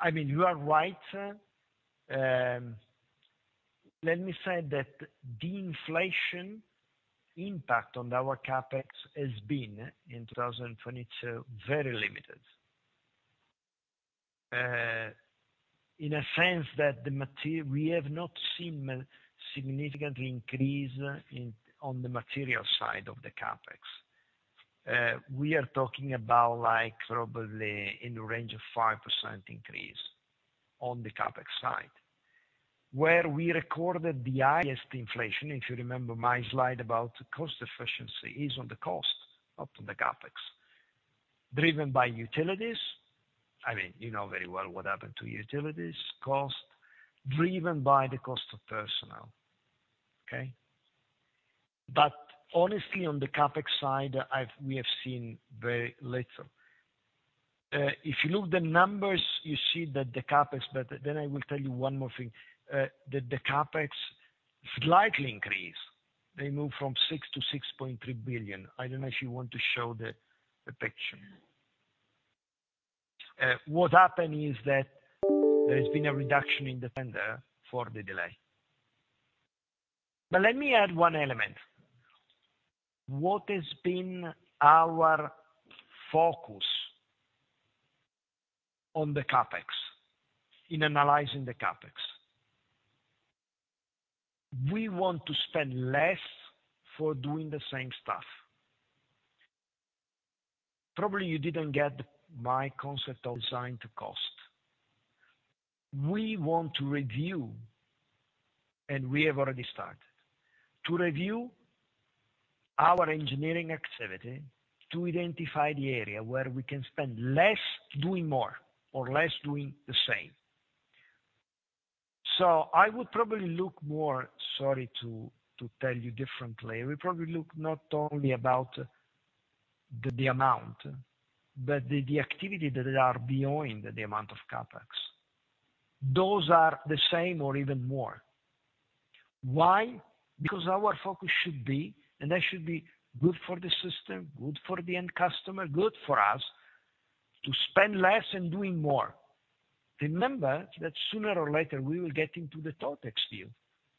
I mean, you are right. Let me say that the inflation impact on our CapEx has been, in 2022, very limited. In a sense that we have not seen a significant increase in, on the material side of the CapEx. We are talking about, like, probably in the range of 5% increase on the CapEx side. Where we recorded the highest inflation, if you remember my slide about cost efficiency, is on the cost, not on the CapEx. Driven by utilities, I mean, you know very well what happened to utilities cost, driven by the cost of personnel. Okay? Honestly, on the CapEx side, we have seen very little. If you look the numbers, you see that the CapEx, I will tell you one more thing, that the CapEx slightly increased. They moved from 6 billion-6.3 billion. I don't know if you want to show the picture. What happened is that there has been a reduction in the vendor for the delay. Let me add 1 element. What has been our focus on the CapEx, in analyzing the CapEx? We want to spend less for doing the same stuff. Probably, you didn't get my concept of Design to Cost. We want to review, and we have already started, to review our engineering activity, to identify the area where we can spend less doing more or less doing the same. I would probably look more, sorry, to tell you differently. We probably look not only about the amount, but the activity that are behind the amount of CapEx. Those are the same or even more. Why? Our focus should be, and that should be good for the system, good for the end customer, good for us, to spend less and doing more. Remember that sooner or later, we will get into the TotEx view.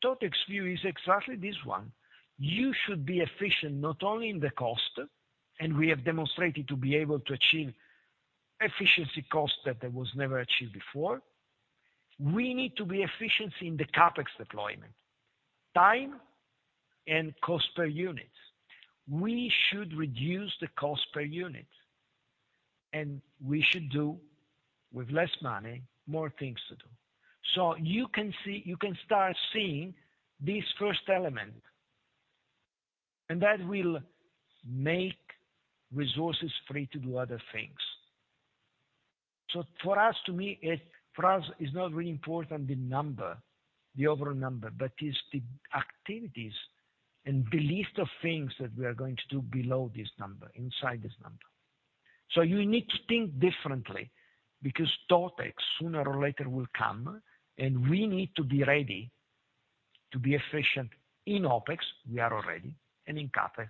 TotEx view is exactly this one. You should be efficient, not only in the cost, and we have demonstrated to be able to achieve efficiency cost that was never achieved before. We need to be efficiency in the CapEx deployment, time and cost per unit. We should reduce the cost per unit, and we should do, with less money, more things to do. You can start seeing this first element, and that will make resources free to do other things. For us, to me, for us, it's not really important, the number, the overall number, but it's the activities and the list of things that we are going to do below this number, inside this number. You need to think differently, because TotEx, sooner or later, will come, and we need to be ready to be efficient in OpEx, we are already, and in CapEx.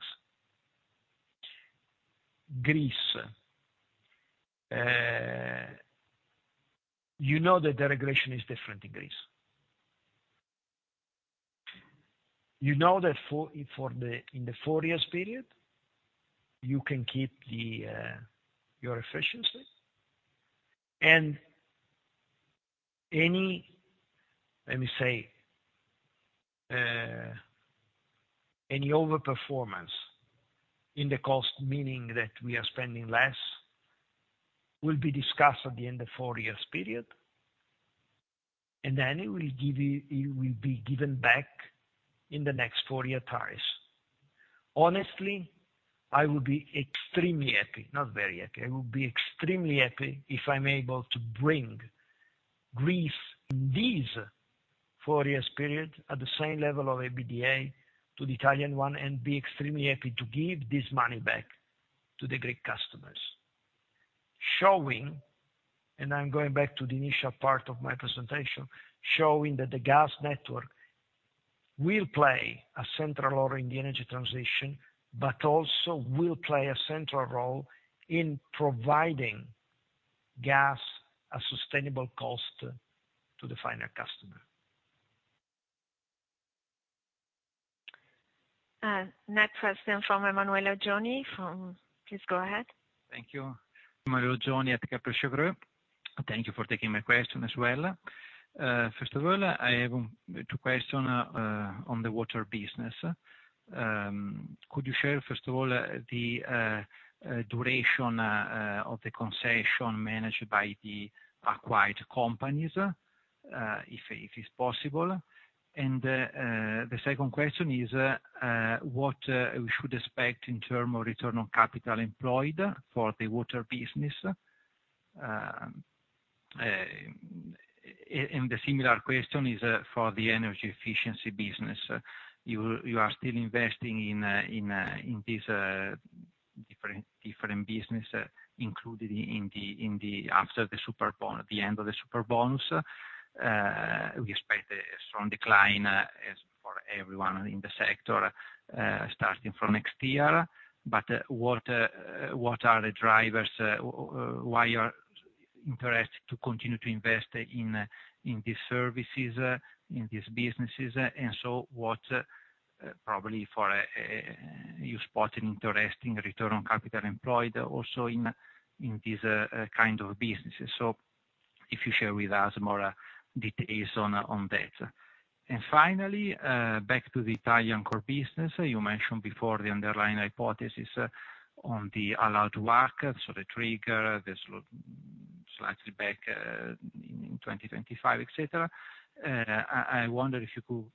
Greece, you know that the regulation is different in Greece. You know that for the four years period, you can keep your efficiency. Any, let me say, any overperformance in the cost, meaning that we are spending less, will be discussed at the end of four years period, and then it will be given back in the next four-year tariffs. Honestly, I will be extremely happy, not very happy. I will be extremely happy if I'm able to bring Greece in these four years period at the same level of EBITDA to the Italian one, and be extremely happy to give this money back to the Greek customers. Showing, and I'm going back to the initial part of my presentation, showing that the gas network will play a central role in the energy transition, but also will play a central role in providing gas at sustainable cost to the final customer. Next question from Emanuela Cioni. Please go ahead. Thank you. Emanuela Cioni at Kepler Cheuvreux. Thank you for taking my question as well. First of all, I have two question on the water business. Could you share, first of all, the duration of the concession managed by the acquired companies, if it's possible? The second question is what we should expect in term of return on capital employed for the water business? And the similar question is for the energy efficiency business. You are still investing in this different business, including in the. After the Superbonus, at the end of the Superbonus, we expect a strong decline as for everyone in the sector, starting from next year. What are the drivers, why you are interested to continue to invest in these services, in these businesses? What, probably, you spot an interesting return on capital employed also in this kind of businesses? If you share with us more details on that. Finally, back to the Italian core business. You mentioned before the underlying hypothesis on the allowed WACC, so the trigger, this look slightly back in 2025, etc. I wonder if you could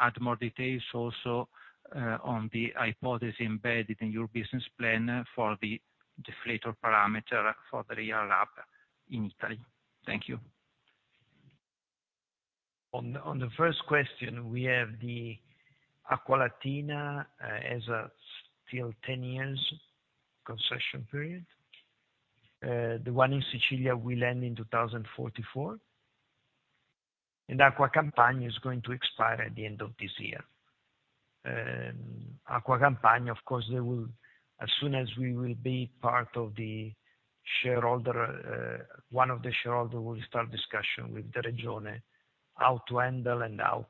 add more details also on the hypothesis embedded in your business plan for the deflator parameter for the real WACC in Italy. Thank you. On the first question, we have the Acqualatina as a still 10 years concession period. The one in Siciliacque will end in 2044, and Acqua Campania is going to expire at the end of this year. Acqua Campania, of course, as soon as we will be part of the shareholder, one of the shareholder will start discussion with the regione, how to handle and how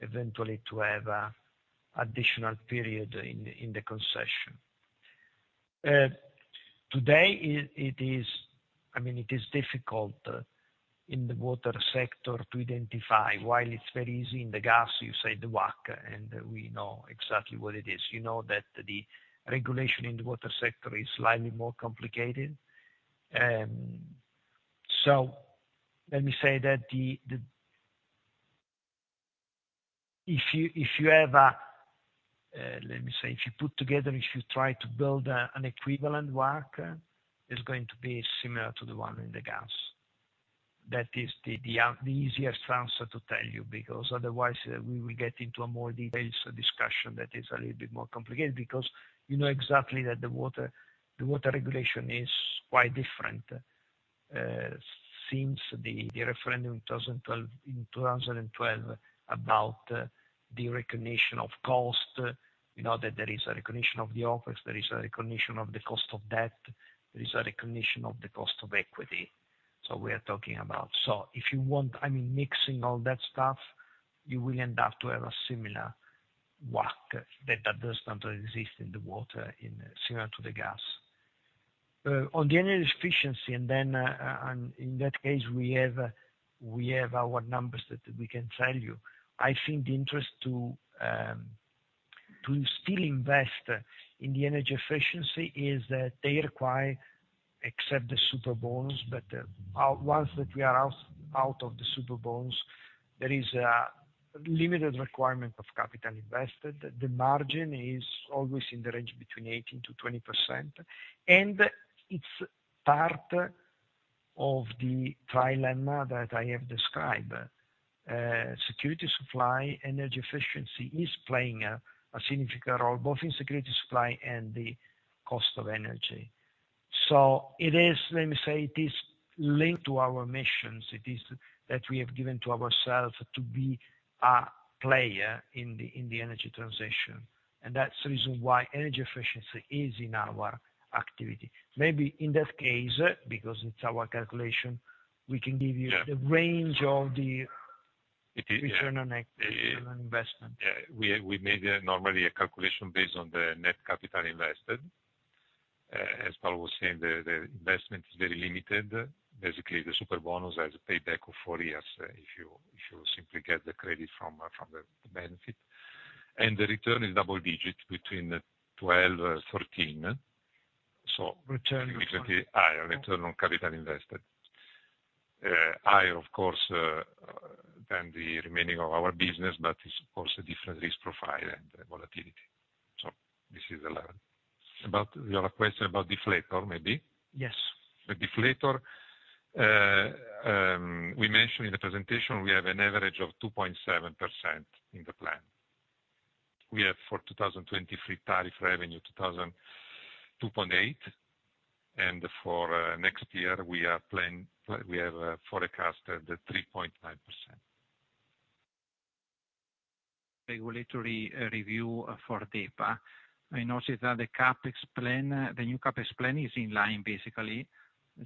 eventually to have a additional period in the concession. Today, it is, I mean, it is difficult in the water sector to identify, while it's very easy in the gas, you say the WACC, and we know exactly what it is. You know that the regulation in the water sector is slightly more complicated. Let me say that the. If you have a, let me say, if you put together, if you try to build an equivalent WACC, it's going to be similar to the one in the gas. That is the easiest answer to tell you, because otherwise we will get into a more detailed discussion that is a little bit more complicated. Because you know exactly that the water regulation is quite different since the referendum in 2012 about the recognition of cost. You know, that there is a recognition of the office, there is a recognition of the cost of debt, there is a recognition of the cost of equity. We are talking about... If you want, I mean, mixing all that stuff, you will end up to have a similar WACC, that doesn't exist in the water, in similar to the gas. On the energy efficiency, in that case, we have our numbers that we can tell you. I think the interest to still invest in the energy efficiency is that they require, except the Superbonus, once that we are out of the Superbonus, there is a limited requirement of capital invested. The margin is always in the range between 18%-20%, it's part of the trilemma that I have described. Security, supply, energy efficiency is playing a significant role, both in security, supply, and the cost of energy. It is, let me say, linked to our missions. It is that we have given to ourselves to be a player in the energy transition. That's the reason why energy efficiency is in our activity. Maybe in that case, because it's our calculation. Yeah. The range of the It is, yeah. return on investment. We made normally a calculation based on the net capital invested. As Paolo was saying, the investment is very limited. Basically, the Superbonus has a payback of four years, if you simply get the credit from the benefit. The return is double digits between 12-13. Return is- Higher return on capital invested. Higher, of course, than the remaining of our business, but it's, of course, a different risk profile and volatility. This is 11. About, you have a question about deflator, maybe? Yes. The deflator we mentioned in the presentation, we have an average of 2.7% in the plan. We have, for 2023 tariff revenue, 2.8%, and for next year, we have forecasted 3.9%. Regulatory review for DEPA. I notice that the CapEx plan, the new CapEx plan is in line, basically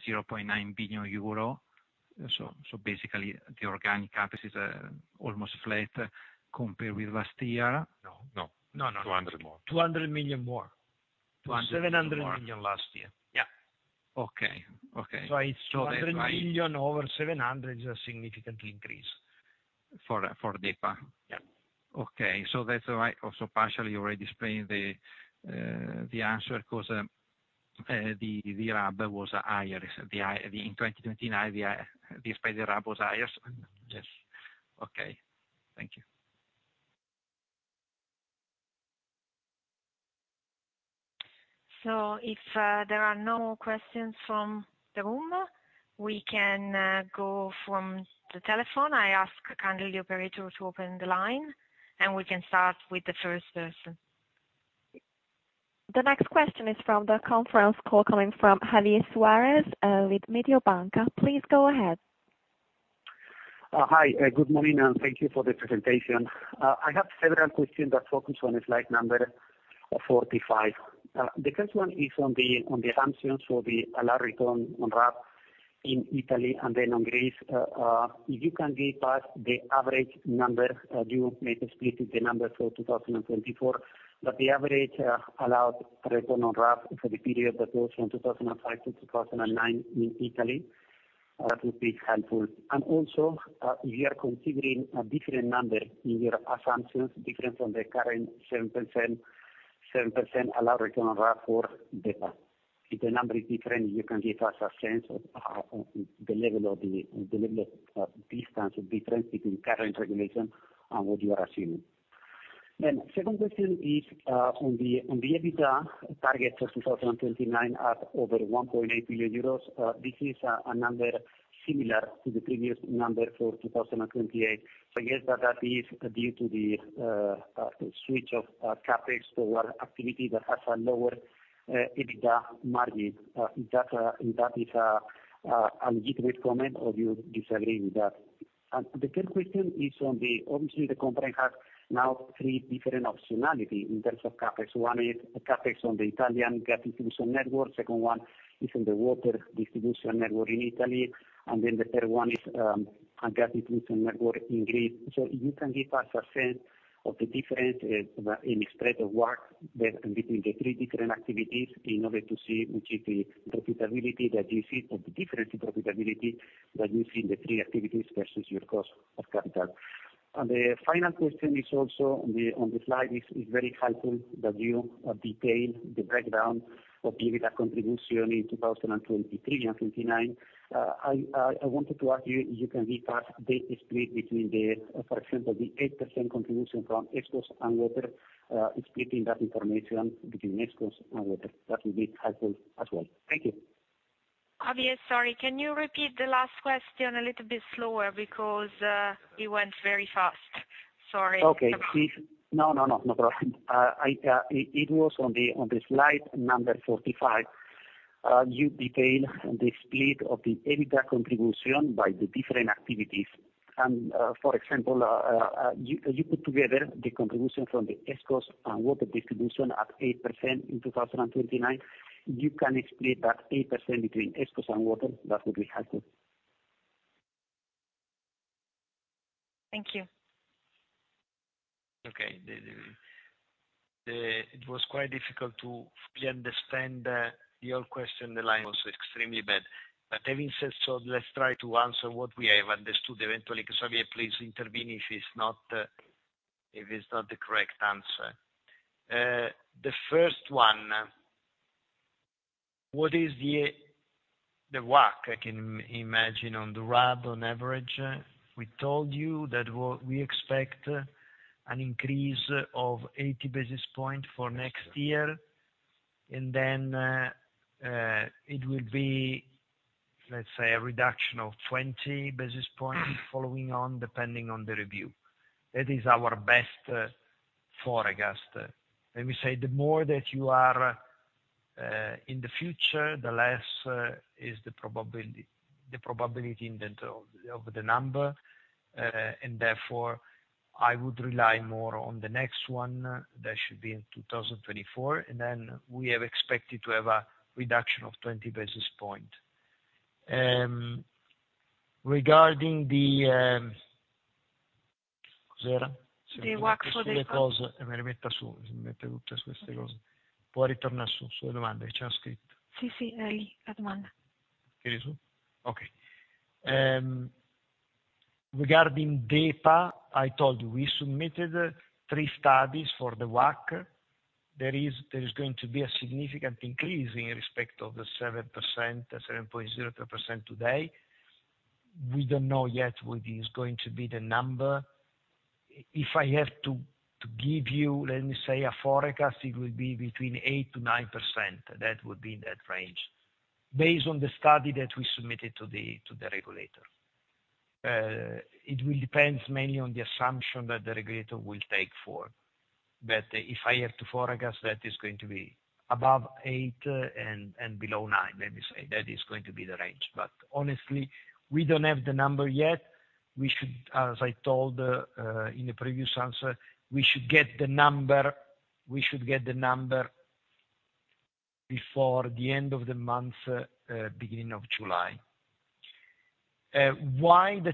0.9 billion euro. Basically, the organic CapEx is almost flat compared with last year. No, no. No, no. 200 more. 200 million more. 200 million more. 700 million last year. Yeah. Okay, okay. It's 200 million over 700 million is a significant increase. For DEPA? Yeah. Okay, that's why also partially you already explained the answer, because the RAB was higher. In 2019, despite the RAB was higher. Yes. Okay. Thank you. If there are no questions from the room, we can go from the telephone. I ask kindly the operator to open the line, and we can start with the first person. The next question is from the conference call coming from Javier Suarez with Mediobanca. Please go ahead. Hi, good morning, and thank you for the presentation. I have several questions that focus on the slide number 45. The first one is on the assumptions for the allowed return on RAB in Italy and then on Greece. If you can give us the average number, you may explicit the number for 2024, but the average allowed return on RAB for the period that goes from 2005 to 2009 in Italy, that would be helpful. Also, if you are considering a different number in your assumptions, different from the current 7% allowed return on RAB for DEPA. If the number is different, you can give us a sense of the level of distance or difference between current regulation and what you are assuming. Second question is on the EBITDA target for 2029 at over 1.8 billion euros. This is a number similar to the previous number for 2028. I guess that that is due to the switch of CapEx toward activity that has a lower EBITDA margin. If that, if that is a legitimate comment, or you disagree with that? The third question. Obviously, the company has now three different optionality in terms of CapEx. One is CapEx on the Italian gas distribution network. Second one is on the water distribution network in Italy. The third one is a gas distribution network in Greece. You can give us a sense of the different in spread of work there between the three different activities, in order to see which is the profitability that you see, or the difference in profitability that you see in the three activities versus your cost of capital. The final question is also on the slide, is very helpful that you detail the breakdown of the EBITDA contribution in 2023 and 2029. I wanted to ask you can give us the split between, for example, the 8% contribution from ESCos and Water, explaining that information between ESCos and Water. That will be helpful as well. Thank you. Javier, sorry, can you repeat the last question a little bit slower? You went very fast. Sorry. Okay. Please- No, no, no problem. It was on the slide number 45. You detailed the split of the EBITDA contribution by the different activities. For example, you put together the contribution from the ESCos and Water distribution at 8% in 2029. You can explain that 8% between ESCos and Water, that would be helpful. Thank you. Okay. It was quite difficult to fully understand your question. The line was extremely bad. Having said so, let's try to answer what we have understood. Eventually, Javier, please intervene if it's not the correct answer. The first one, what is the work I can imagine on the RAB on average? We told you that we expect an increase of 80 basis points for next year, then, let's say, a reduction of 20 basis points following on, depending on the review. That is our best forecast. Let me say, the more that you are in the future, the less is the probability of the number. Therefore, I would rely more on the next one. That should be in 2024, and then we have expected to have a reduction of 20 basis points. Regarding the, The WACC for. Okay. Regarding DEPA, I told you, we submitted three studies for the WACC. There is going to be a significant increase in respect of the 7%, 7.02% today. We don't know yet what is going to be the number. If I have to give you, let me say, a forecast, it will be between 8%-9%. That would be in that range, based on the study that we submitted to the regulator. It will depends mainly on the assumption that the regulator will take forward, but if I have to forecast, that is going to be above 8% and below 9%. Let me say, that is going to be the range, but honestly, we don't have the number yet. We should, as I told, in the previous answer, we should get the number before the end of the month, beginning of July. Why the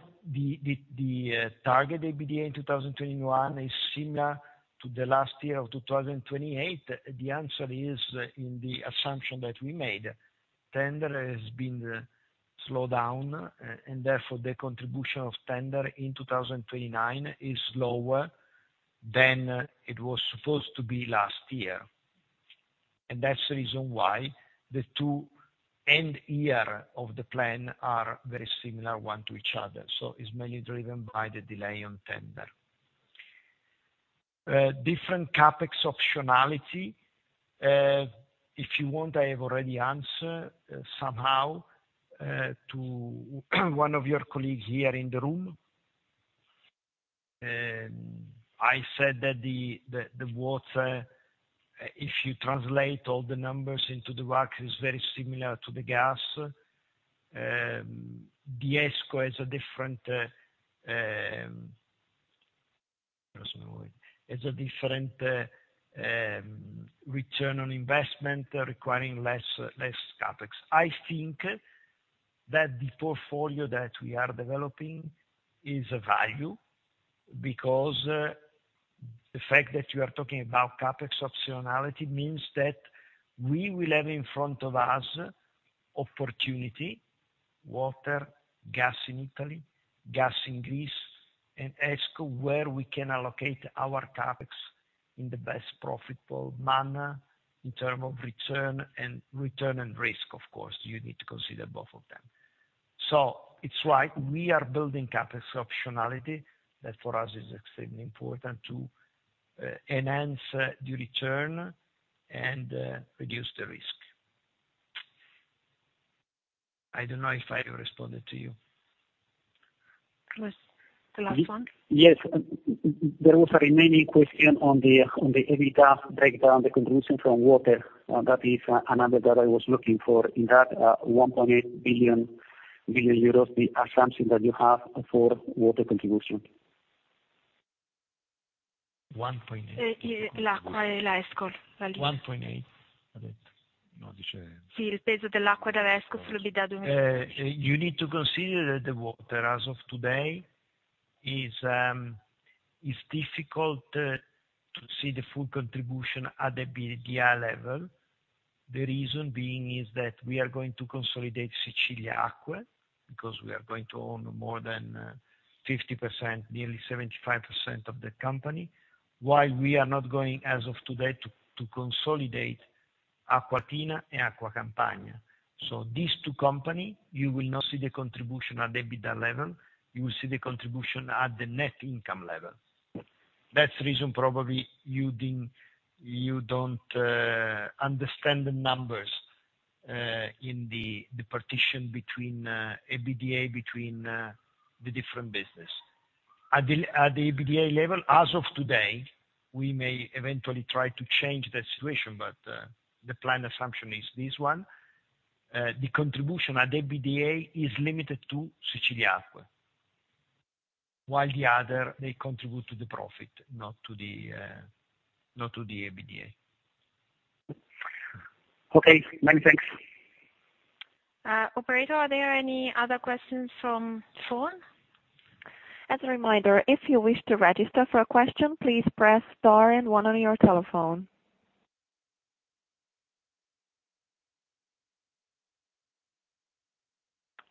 target EBITDA in 2021 is similar to the last year of 2028? The answer is in the assumption that we made. Tender has been slowed down, and therefore, the contribution of tender in 2029 is lower than it was supposed to be last year, and that's the reason why the two end year of the plan are very similar one to each other, so it's mainly driven by the delay on tender. Different CapEx optionality, if you want, I have already answered somehow to one of your colleagues here in the room. I said that the water, if you translate all the numbers into the WACC, is very similar to the gas. The ESCo has a different return on investment, requiring less CapEx. I think that the portfolio that we are developing is a value, because the fact that you are talking about CapEx optionality means that we will have in front of us opportunity, water, gas in Italy, gas in Greece, and ESCo, where we can allocate our CapEx in the best profitable manner in term of return, and return and risk. Of course, you need to consider both of them. It's right, we are building CapEx optionality. That for us is extremely important to enhance the return and reduce the risk. I don't know if I responded to you. Was the last one? There was a remaining question on the, on the EBITDA breakdown, the contribution from water. That is a number that I was looking for in that 1.8 billion euros, the assumption that you have for water contribution. EUR 1.8 billion. Yeah. 1.8. you need to consider that the water, as of today, is difficult to see the full contribution at the EBITDA level. The reason being is that we are going to consolidate Siciliacque, because we are going to own more than 50%, nearly 75% of the company, while we are not going, as of today, to consolidate Acqualatina and Acqua Campania. These two company, you will not see the contribution at EBITDA level. You will see the contribution at the net income level. That's the reason probably you don't understand the numbers in the partition between EBITDA, between the different business. At the EBITDA level, as of today, we may eventually try to change that situation, but the plan assumption is this one. The contribution at EBITDA is limited to Siciliacque, while the other may contribute to the profit, not to the, not to the EBITDA. Okay. Many thanks. Operator, are there any other questions from phone? As a reminder, if you wish to register for a question, please press star and one on your telephone.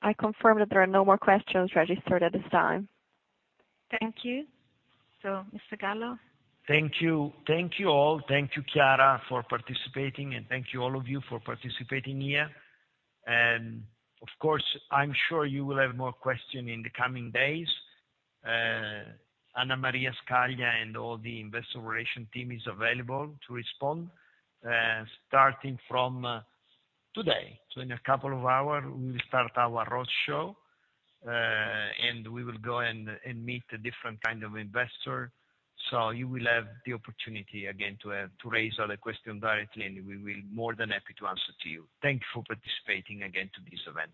I confirm that there are no more questions registered at this time. Thank you. Mr. Gallo? Thank you. Thank you, all. Thank you, Chiara, for participating, and thank you, all of you, for participating here. Of course, I'm sure you will have more question in the coming days. Anna Maria Scaglia and all the Investor Relations team is available to respond, starting from today. In a couple of hour, we will start our roadshow, and we will go and meet a different kind of investor. You will have the opportunity again to raise other question directly, and we will more than happy to answer to you. Thank you for participating again to this event.